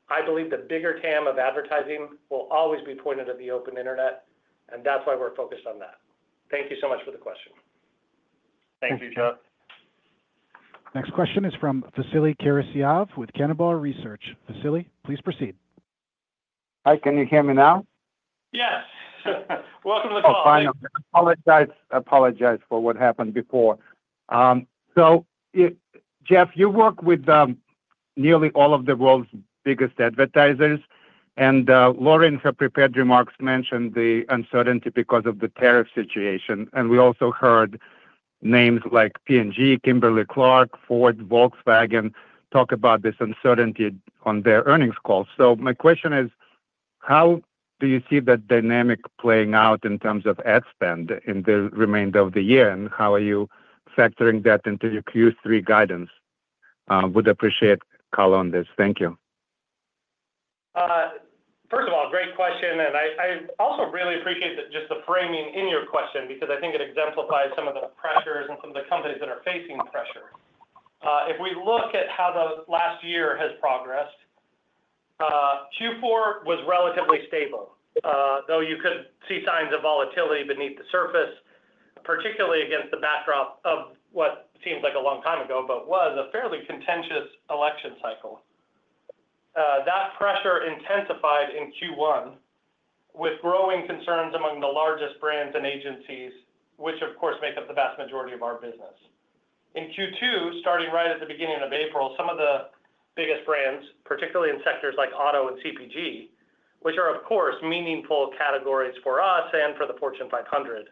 I believe the bigger TAM of advertising will always be pointed at the open internet, and that's why we're focused on that. Thank you so much for the question.
Thank you, Jeff.
Next question is from Vasily Karasyov with Cannonball Research. Vasily, please proceed.
Hi, can you hear me now?
Yes, welcome to the call.
I apologize for what happened before. Jeff, you work with nearly all of the world's biggest advertisers, and Laura had prepared remarks mentioning the uncertainty because of the tariff situation. We also heard names like P&G, Kimberly-Clark, Ford, and Volkswagen talk about this uncertainty on their earnings calls. My question is, how do you see that dynamic playing out in terms of ad spend in the remainder of the year, and how are you factoring that into your Q3 guidance? I would appreciate a call on this. Thank you.
First of all, great question, and I also really appreciate just the framing in your question because I think it exemplifies some of the pressures and some of the companies that are facing pressure. If we look at how the last year has progressed, Q4 was relatively stable, though you could see signs of volatility beneath the surface, particularly against the backdrop of what seems like a long time ago, but was a fairly contentious election cycle. That pressure intensified in Q1 with growing concerns among the largest brands and agencies, which of course make up the vast majority of our business. In Q2, starting right at the beginning of April, some of the biggest brands, particularly in sectors like auto and CPG, which are of course meaningful categories for us and for the Fortune 500,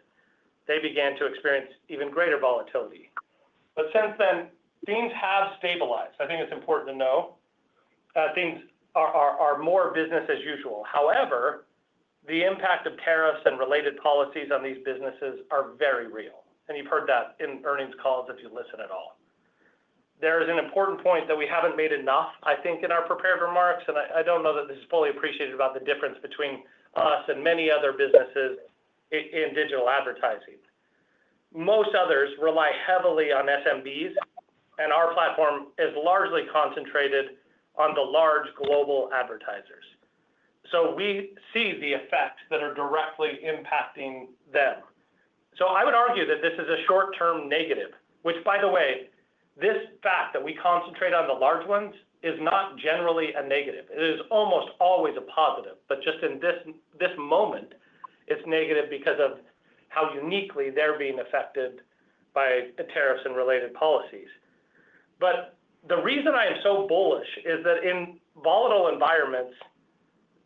began to experience even greater volatility. Since then, things have stabilized. I think it's important to know things are more business as usual. However, the impact of tariffs and related policies on these businesses is very real, and you've heard that in earnings calls if you listen at all. There is an important point that we haven't made enough, I think, in our prepared remarks, and I don't know that this is fully appreciated about the difference between us and many other businesses in digital advertising. Most others rely heavily on SMBs, and our platform is largely concentrated on the large global advertisers. We see the effects that are directly impacting them. I would argue that this is a short-term negative, which, by the way, this fact that we concentrate on the large ones is not generally a negative. It is almost always a positive, just in this moment, it's negative because of how uniquely they're being affected by the tariffs and related policies. The reason I am so bullish is that in volatile environments,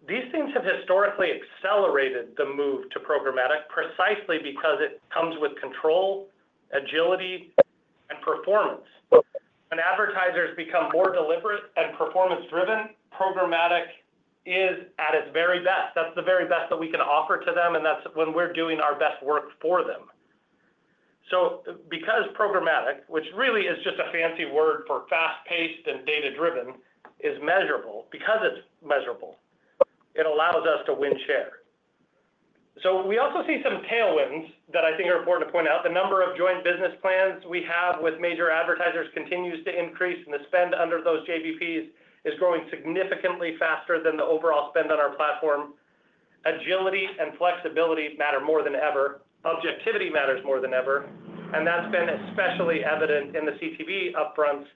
these things have historically accelerated the move to programmatic precisely because it comes with control, agility, and performance. When advertisers become more deliberate and performance-driven, programmatic is at its very best. That's the very best that we can offer to them, and that's when we're doing our best work for them. Because programmatic, which really is just a fancy word for fast-paced and data-driven, is measurable, because it's measurable, it allows us to win share. We also see some tailwinds that I think are important to point out. The number of joint business plans we have with major advertisers continues to increase, and the spend under those JVPs is growing significantly faster than the overall spend on our platform. Agility and flexibility matter more than ever. Objectivity matters more than ever, and that's been especially evident in the CTV upfronts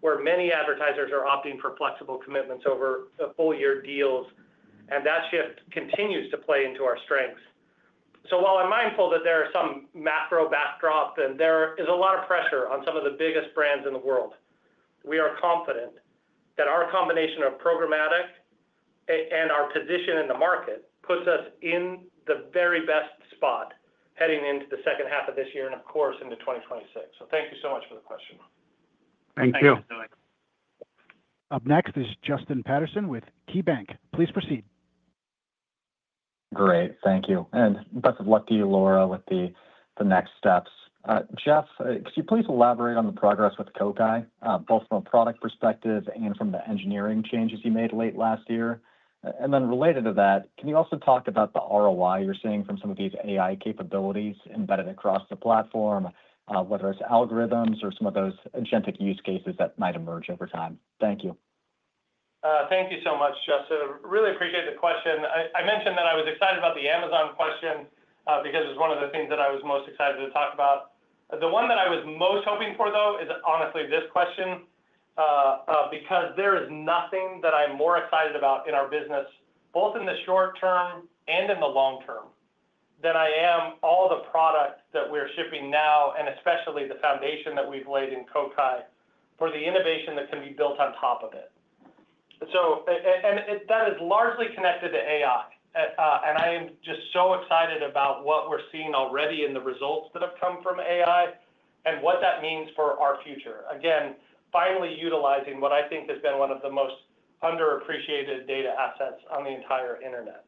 where many advertisers are opting for flexible commitments over full-year deals, and that shift continues to play into our strengths. While I'm mindful that there are some macro backdrops and there is a lot of pressure on some of the biggest brands in the world, we are confident that our combination of programmatic and our position in the market puts us in the very best spot heading into the second half of this year and, of course, into 2026. Thank you so much for the question.
Thank you. Up next is Justin Patterson with KeyBanc. Please proceed.
Great, thank you. Best of luck to you, Laura, with the next steps. Jeff, could you please elaborate on the progress with Kokai, both from a product perspective and from the engineering changes you made late last year? Related to that, can you also talk about the ROI you're seeing from some of these AI capabilities embedded across the platform, whether it's algorithms or some of those intrinsic use cases that might emerge over time? Thank you.
Thank you so much, Justin. I really appreciate the question. I mentioned that I was excited about the Amazon question because it was one of the things that I was most excited to talk about. The one that I was most hoping for, though, is honestly this question because there is nothing that I'm more excited about in our business, both in the short term and in the long term, than I am all the product that we're shipping now and especially the foundation that we've laid in Kokai for the innovation that can be built on top of it. That is largely connected to AI, and I am just so excited about what we're seeing already in the results that have come from AI and what that means for our future. Again, finally utilizing what I think has been one of the most underappreciated data assets on the entire internet.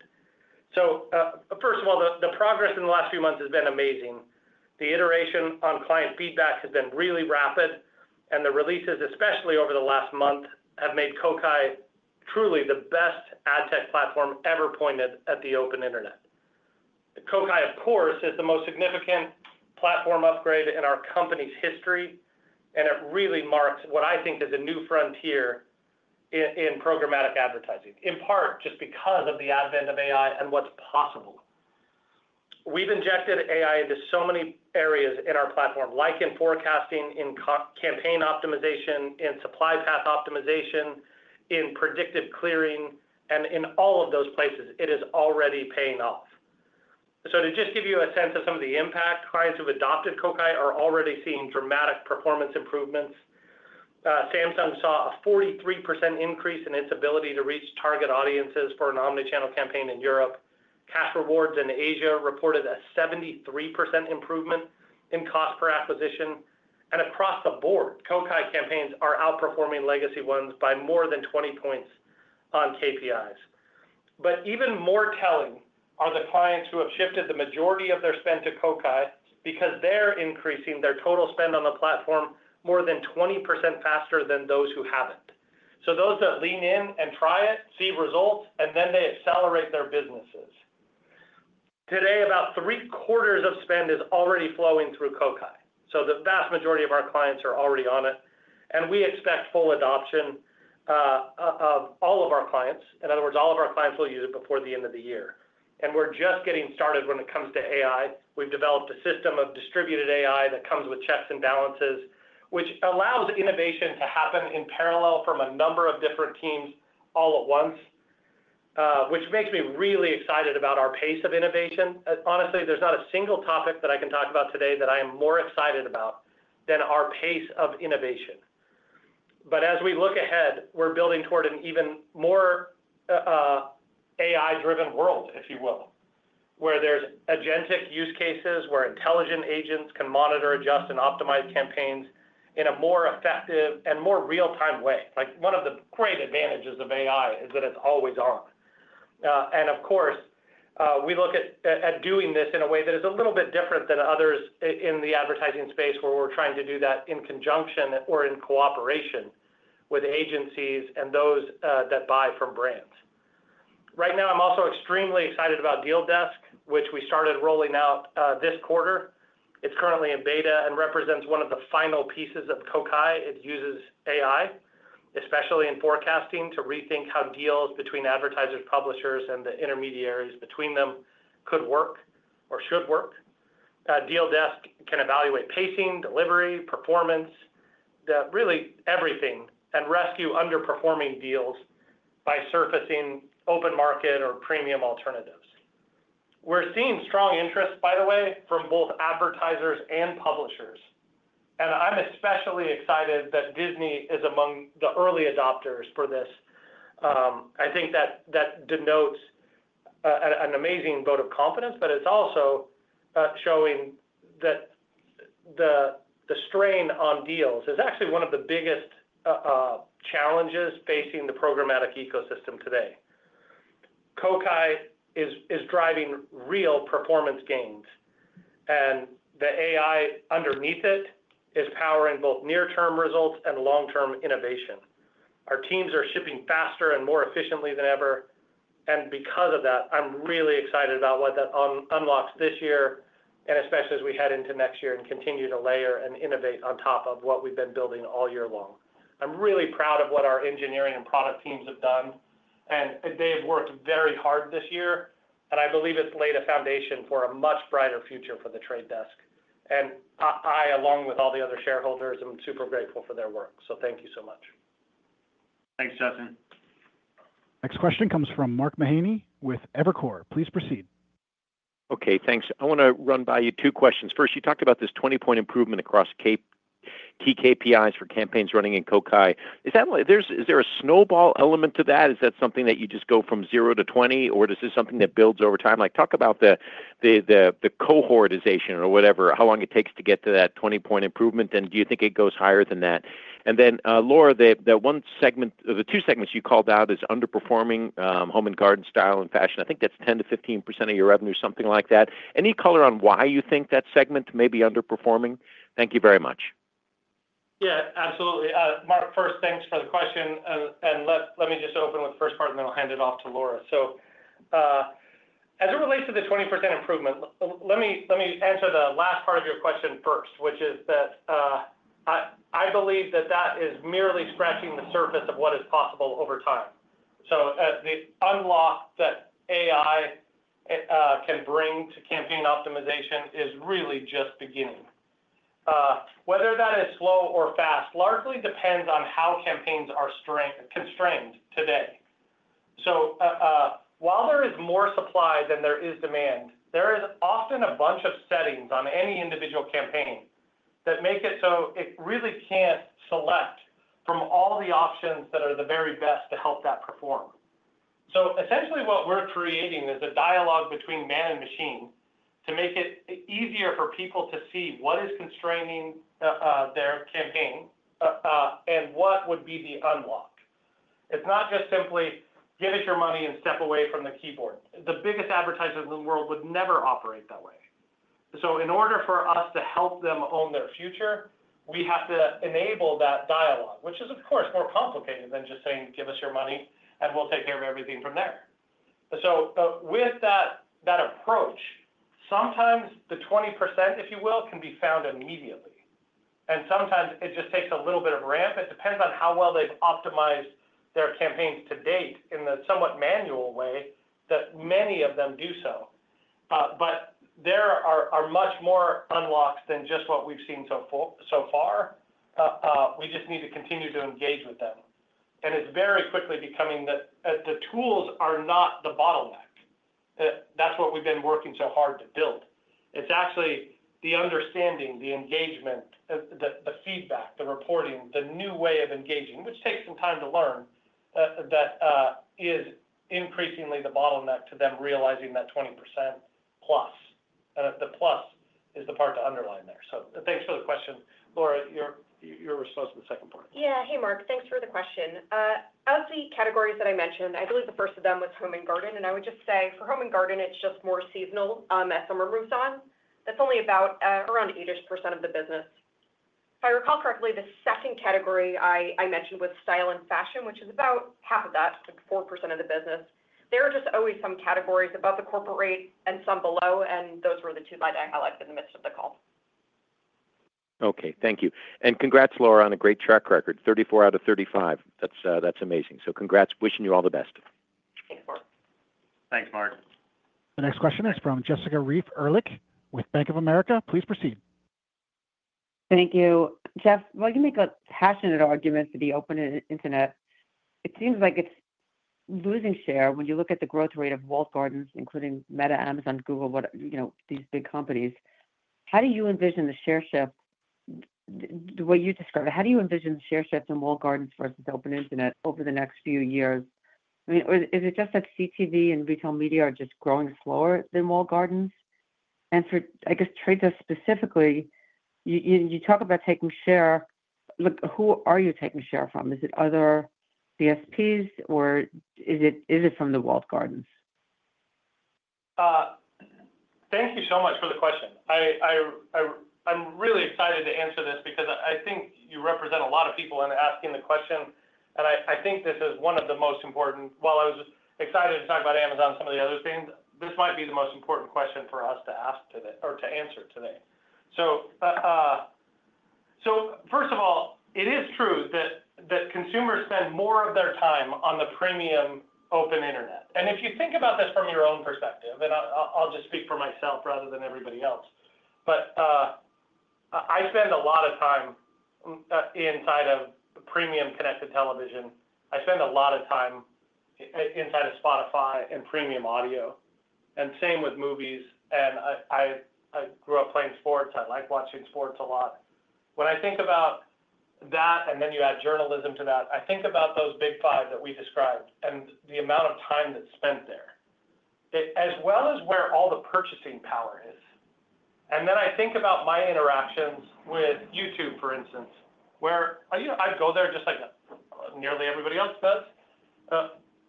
First of all, the progress in the last few months has been amazing. The iteration on client feedback has been really rapid, and the releases, especially over the last month, have made Kokai truly the best ad tech platform ever pointed at the open internet. Kokai, of course, is the most significant platform upgrade in our company's history, and it really marks what I think is a new frontier in programmatic advertising, in part just because of the advent of AI and what's possible. We've injected AI into so many areas in our platform, like in forecasting, in campaign optimization, in supply path optimization, in predictive clearing, and in all of those places, it is already paying off. To just give you a sense of some of the impact, clients who've adopted Kokai are already seeing dramatic performance improvements. Samsung saw a 43% increase in its ability to reach target audiences for an omnichannel campaign in Europe. Cash rewards in Asia reported a 73% improvement in cost per acquisition, and across the board, Kokai campaigns are outperforming legacy ones by more than 20 points on KPIs. Even more telling are the clients who have shifted the majority of their spend to Kokai because they're increasing their total spend on the platform more than 20% faster than those who haven't. Those that lean in and try it, see results, and then they accelerate their businesses. Today, about three quarters of spend is already flowing through Kokai. The vast majority of our clients are already on it, and we expect full adoption of all of our clients. In other words, all of our clients will use it before the end of the year. We're just getting started when it comes to AI. We've developed a system of distributed AI that comes with checks and balances, which allows innovation to happen in parallel from a number of different teams all at once, which makes me really excited about our pace of innovation. Honestly, there's not a single topic that I can talk about today that I am more excited about than our pace of innovation. As we look ahead, we're building toward an even more AI-driven world, if you will, where there's agentic use cases, where intelligent agents can monitor, adjust, and optimize campaigns in a more effective and more real-time way. One of the great advantages of AI is that it's always on. Of course, we look at doing this in a way that is a little bit different than others in the advertising space, where we're trying to do that in conjunction or in cooperation with agencies and those that buy from brands. Right now, I'm also extremely excited about Deal Desk, which we started rolling out this quarter. It's currently in beta and represents one of the final pieces of Kokai. It uses AI, especially in forecasting, to rethink how deals between advertisers, publishers, and the intermediaries between them could work or should work. Deal Desk can evaluate pacing, delivery, performance, really everything, and rescue underperforming deals by surfacing open market or premium alternatives. We're seeing strong interest, by the way, from both advertisers and publishers, and I'm especially excited that Disney is among the early adopters for this. I think that denotes an amazing vote of confidence, but it's also showing that the strain on deals is actually one of the biggest challenges facing the programmatic ecosystem today. Kokai is driving real performance gains, and the AI underneath it is powering both near-term results and long-term innovation. Our teams are shipping faster and more efficiently than ever, and because of that, I'm really excited about what that unlocks this year, especially as we head into next year and continue to layer and innovate on top of what we've been building all year long. I'm really proud of what our engineering and product teams have done, and they have worked very hard this year, and I believe it's laid a foundation for a much brighter future for The Trade Desk. I, along with all the other shareholders, am super grateful for their work. Thank you so much. Thanks, Justin.
Next question comes from Mark Mahaney with Evercore. Please proceed.
Okay, thanks. I want to run by you two questions. First, you talked about this 20-point improvement across key KPIs for campaigns running in Kokai. Is that, is there a snowball element to that? Is that something that you just go from zero to 20, or is this something that builds over time? Like, talk about the cohortization or whatever, how long it takes to get to that 20-point improvement, and do you think it goes higher than that? Laura, the one segment or the two segments you called out as underperforming, home and garden style and fashion. I think that's 10%-15% of your revenue, something like that. Any color on why you think that segment may be underperforming? Thank you very much.
Yeah, absolutely. Mark, first, thanks for the question, and let me just open with the first part, and then I'll hand it off to Laura. As it relates to the 20% improvement, let me answer the last part of your question first, which is that I believe that that is merely scratching the surface of what is possible over time. The unlock that AI can bring to campaign optimization is really just beginning. Whether that is slow or fast largely depends on how campaigns are constrained today. While there is more supply than there is demand, there is often a bunch of settings on any individual campaign that make it so it really can't select from all the options that are the very best to help that perform. Essentially, what we're creating is a dialogue between man and machine to make it easier for people to see what is constraining their campaign and what would be the unlock. It's not just simply give it your money and step away from the keyboard. The biggest advertisers in the world would never operate that way. In order for us to help them own their future, we have to enable that dialogue, which is, of course, more complicated than just saying, "Give us your money, and we'll take care of everything from there." With that approach, sometimes the 20%, if you will, can be found immediately, and sometimes it just takes a little bit of a ramp. It depends on how well they've optimized their campaigns to date in the somewhat manual way that many of them do so. There are much more unlocks than just what we've seen so far. We just need to continue to engage with them. It's very quickly becoming that the tools are not the bottleneck. That's what we've been working so hard to build. It's actually the understanding, the engagement, the feedback, the reporting, the new way of engaging, which takes some time to learn, that is increasingly the bottleneck to them realizing that 20%+. The plus is the part to underline there. Thanks for the question. Laura, your response to the second part?
Yeah. Hey, Mark. Thanks for the question. Of the categories that I mentioned, I believe the first of them was home and garden, and I would just say for home and garden, it's just more seasonal as summer moves on. That's only about around 8% of the business. If I recall correctly, the second category I mentioned was style and fashion, which is about half of that, like 4% of the business. There are just always some categories above the corporate rate and some below, and those were the two that I highlighted in the midst of the call.
Okay, thank you. Congrats, Laura, on a great track record, 34 out of 35. That's amazing. Congrats. Wishing you all the best.
Thanks, Mark.
The next question is from Jessica Reif Ehrlich with Bank of America. Please proceed.
Thank you. Jeff, while you make a passionate argument for the open internet, it seems like it's losing share when you look at the growth rate of walled gardens, including Meta, Amazon, Google, you know, these big companies. How do you envision the share shift? The way you describe it, how do you envision the share shift in walled gardens versus open internet over the next few years? I mean, is it just that CTV and retail media are just growing slower than walled gardens? For, I guess, The Trade Desk specifically, you talk about taking share. Look, who are you taking share from? Is it other DSPs, or is it from the walled gardens?
Thank you so much for the question. I'm really excited to answer this because I think you represent a lot of people in asking the question, and I think this is one of the most important. While I was excited to talk about Amazon and some of the other things, this might be the most important question for us to ask today or to answer today. First of all, it is true that consumers spend more of their time on the premium open internet. If you think about this from your own perspective, and I'll just speak for myself rather than everybody else, I spend a lot of time inside of premium connected television. I spend a lot of time inside of Spotify and premium audio, and same with movies. I grew up playing sports. I like watching sports a lot. When I think about that, and then you add journalism to that, I think about those big five that we described and the amount of time that's spent there, as well as where all the purchasing power is. I think about my interactions with YouTube, for instance, where I go there just like nearly everybody else does.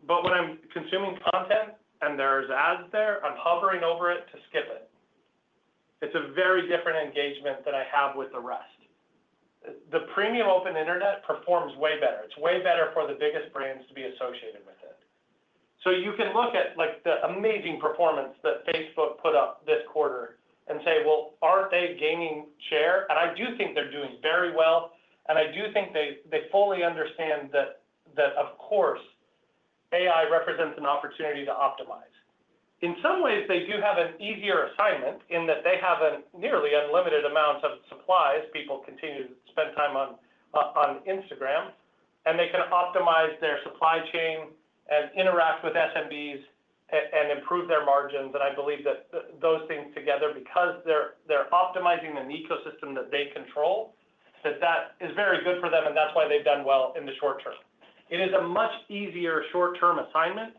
When I'm consuming content and there's ads there, I'm hovering over it to skip it. It's a very different engagement than I have with the rest. The premium open internet performs way better. It's way better for the biggest brands to be associated with it. You can look at the amazing performance that Facebook put up this quarter and say, aren't they gaining share? I do think they're doing very well, and I do think they fully understand that, of course, AI represents an opportunity to optimize. In some ways, they do have an easier assignment in that they have a nearly unlimited amount of supplies. People continue to spend time on Instagram, and they can optimize their supply chain and interact with SMBs and improve their margins. I believe that those things together, because they're optimizing an ecosystem that they control, that is very good for them, and that's why they've done well in the short term. It is a much easier short-term assignment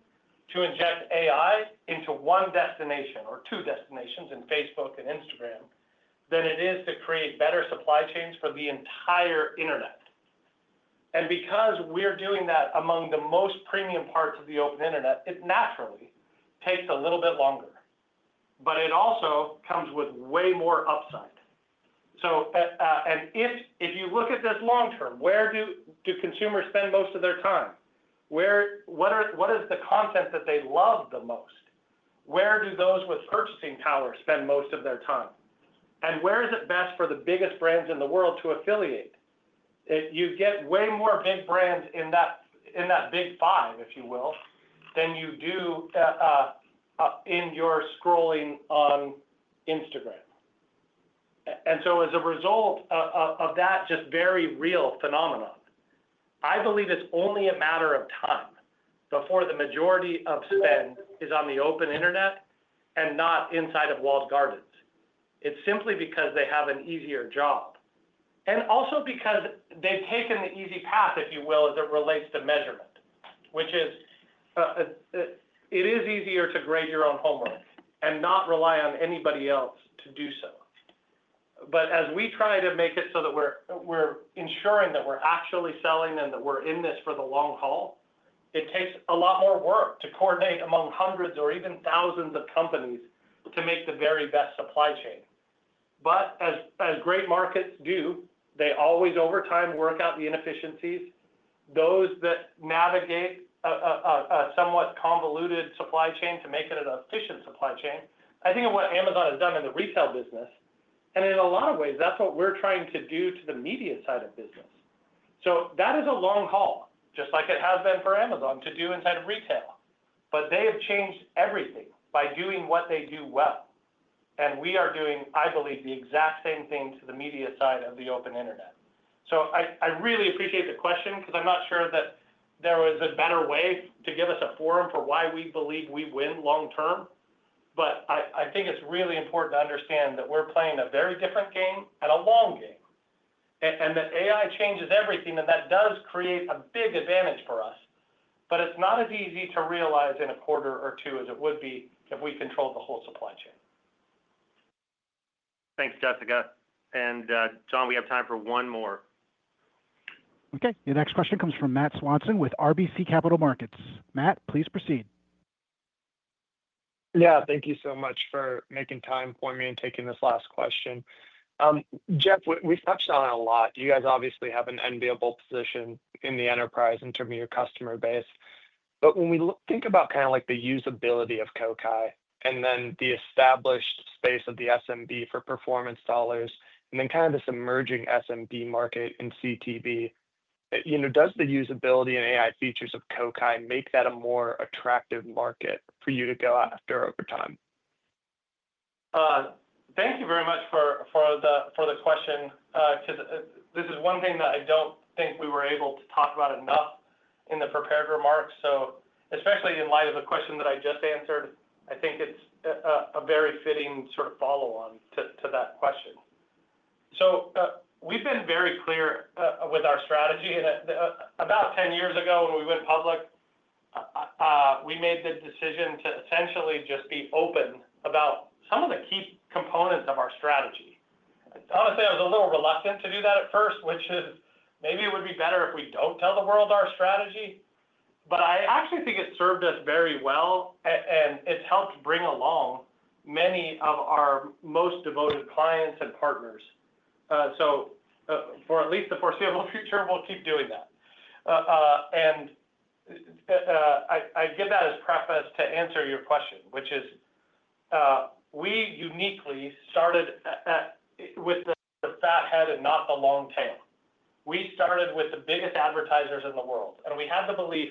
to inject AI into one destination or two destinations in Facebook and Instagram than it is to create better supply chains for the entire internet. Because we're doing that among the most premium parts of the open internet, it naturally takes a little bit longer, but it also comes with way more upside. If you look at this long term, where do consumers spend most of their time? What is the content that they love the most? Where do those with purchasing power spend most of their time? Where is it best for the biggest brands in the world to affiliate? You get way more big brands in that big five, if you will, than you do in your scrolling on Instagram. As a result of that just very real phenomenon, I believe it's only a matter of time before the majority of spend is on the open internet and not inside of walled gardens. It's simply because they have an easier job and also because they've taken the easy path, if you will, as it relates to measurement, which is it is easier to grade your own homework and not rely on anybody else to do so. As we try to make it so that we're ensuring that we're actually selling and that we're in this for the long haul, it takes a lot more work to coordinate among hundreds or even thousands of companies to make the very best supply chain. As great markets do, they always, over time, work out the inefficiencies. Those that navigate a somewhat convoluted supply chain to make it an efficient supply chain, I think of what Amazon has done in the retail business. In a lot of ways, that's what we're trying to do to the media side of business. That is a long haul, just like it has been for Amazon to do inside of retail. They have changed everything by doing what they do well. We are doing, I believe, the exact same thing to the media side of the open internet. I really appreciate the question because I'm not sure that there was a better way to give us a forum for why we believe we win long term. I think it's really important to understand that we're playing a very different game and a long game, and that AI changes everything, and that does create a big advantage for us. It's not as easy to realize in a quarter or two as it would be if we controlled the whole supply chain.
Thanks, Jessica. Shyam, we have time for one more.
Okay, your next question comes from Matt Swanson with RBC Capital Markets. Matt, please proceed.
Yeah, thank you so much for making time for me and taking this last question. Jeff, we've touched on it a lot. You guys obviously have an enviable position in the enterprise in terms of your customer base. When we think about kind of like the usability of Kokai and then the established space of the SMB for performance dollars, and then kind of this emerging SMB market in CTV, does the usability and AI features of Kokai make that a more attractive market for you to go after over time? Thank you very much for the question, because this is one thing that I don't think we were able to talk about enough in the prepared remarks. Especially in light of the question that I just answered, I think it's a very fitting sort of follow-on to that question. We've been very clear with our strategy.
About 10 years ago, when we went public, we made the decision to essentially just be open about some of the key components of our strategy. Honestly, I was a little reluctant to do that at first, which is maybe it would be better if we don't tell the world our strategy. I actually think it served us very well, and it's helped bring along many of our most devoted clients and partners. For at least the foreseeable future, we'll keep doing that. I give that as a preface to answer your question, which is we uniquely started with the fat head and not the long tail. We started with the biggest advertisers in the world, and we have the belief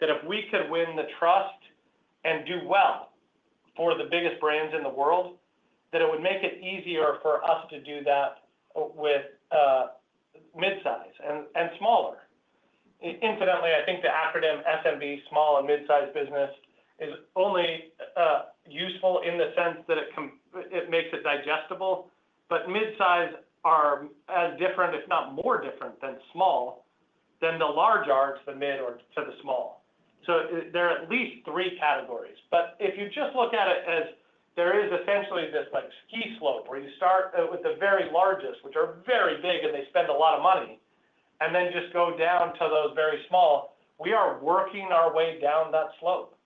that if we could win the trust and do well for the biggest brands in the world, that it would make it easier for us to do that with midsize. And. Incidentally, I think the acronym SMB, Small and Mid-Size Business, is only useful in the sense that it makes it digestible. Mid-size are as different, if not more different, than small than the large are to the mid or to the small. There are at least three categories. If you just look at it as there is essentially this ski slope where you start with the very largest, which are very big and they spend a lot of money, and then just go down to those very small, we are working our way down that slope.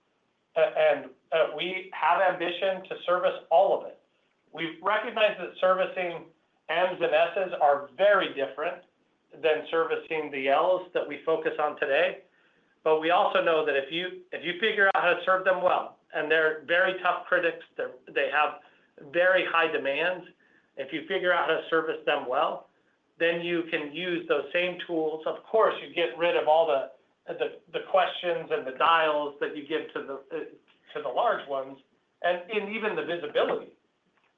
We have ambition to service all of it. We recognize that servicing Ms and Vanessas are very different than servicing the Ls that we focus on today. We also know that if you figure out how to serve them well, and they're very tough critics, they have very high demands, if you figure out how to service them well, then you can use those same tools. Of course, you get rid of all the questions and the dials that you give to the large ones, and even the visibility,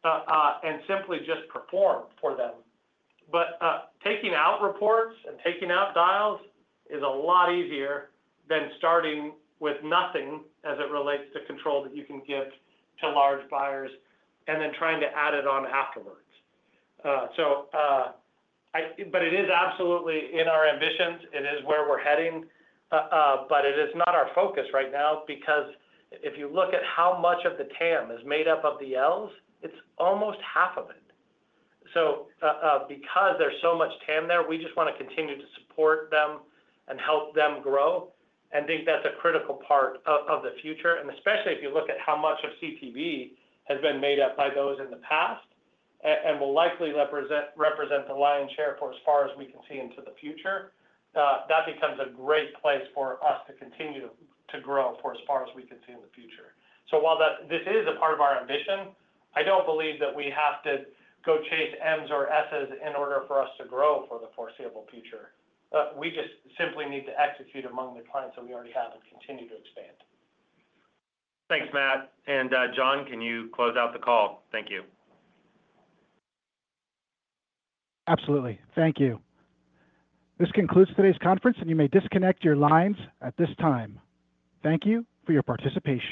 and simply just perform for them. Taking out reports and taking out dials is a lot easier than starting with nothing as it relates to control that you can give to large buyers and then trying to add it on afterwards. It is absolutely in our ambitions. It is where we're heading. It is not our focus right now because if you look at how much of the TAM is made up of the Ls, it's almost half of it. Because there's so much TAM there, we just want to continue to support them and help them grow and think that's a critical part of the future. Especially if you look at how much of CTV has been made up by those in the past and will likely represent the lion's share for as far as we can see into the future, that becomes a great place for us to continue to grow for as far as we can see in the future. While this is a part of our ambition, I don't believe that we have to go chase Ms or Ss in order for us to grow for the foreseeable future. We just simply need to execute among the clients that we already have and continue to expand.
Thanks, Matt. John, can you close out the call? Thank you.
Absolutely. Thank you. This concludes today's conference, and you may disconnect your lines at this time. Thank you for your participation.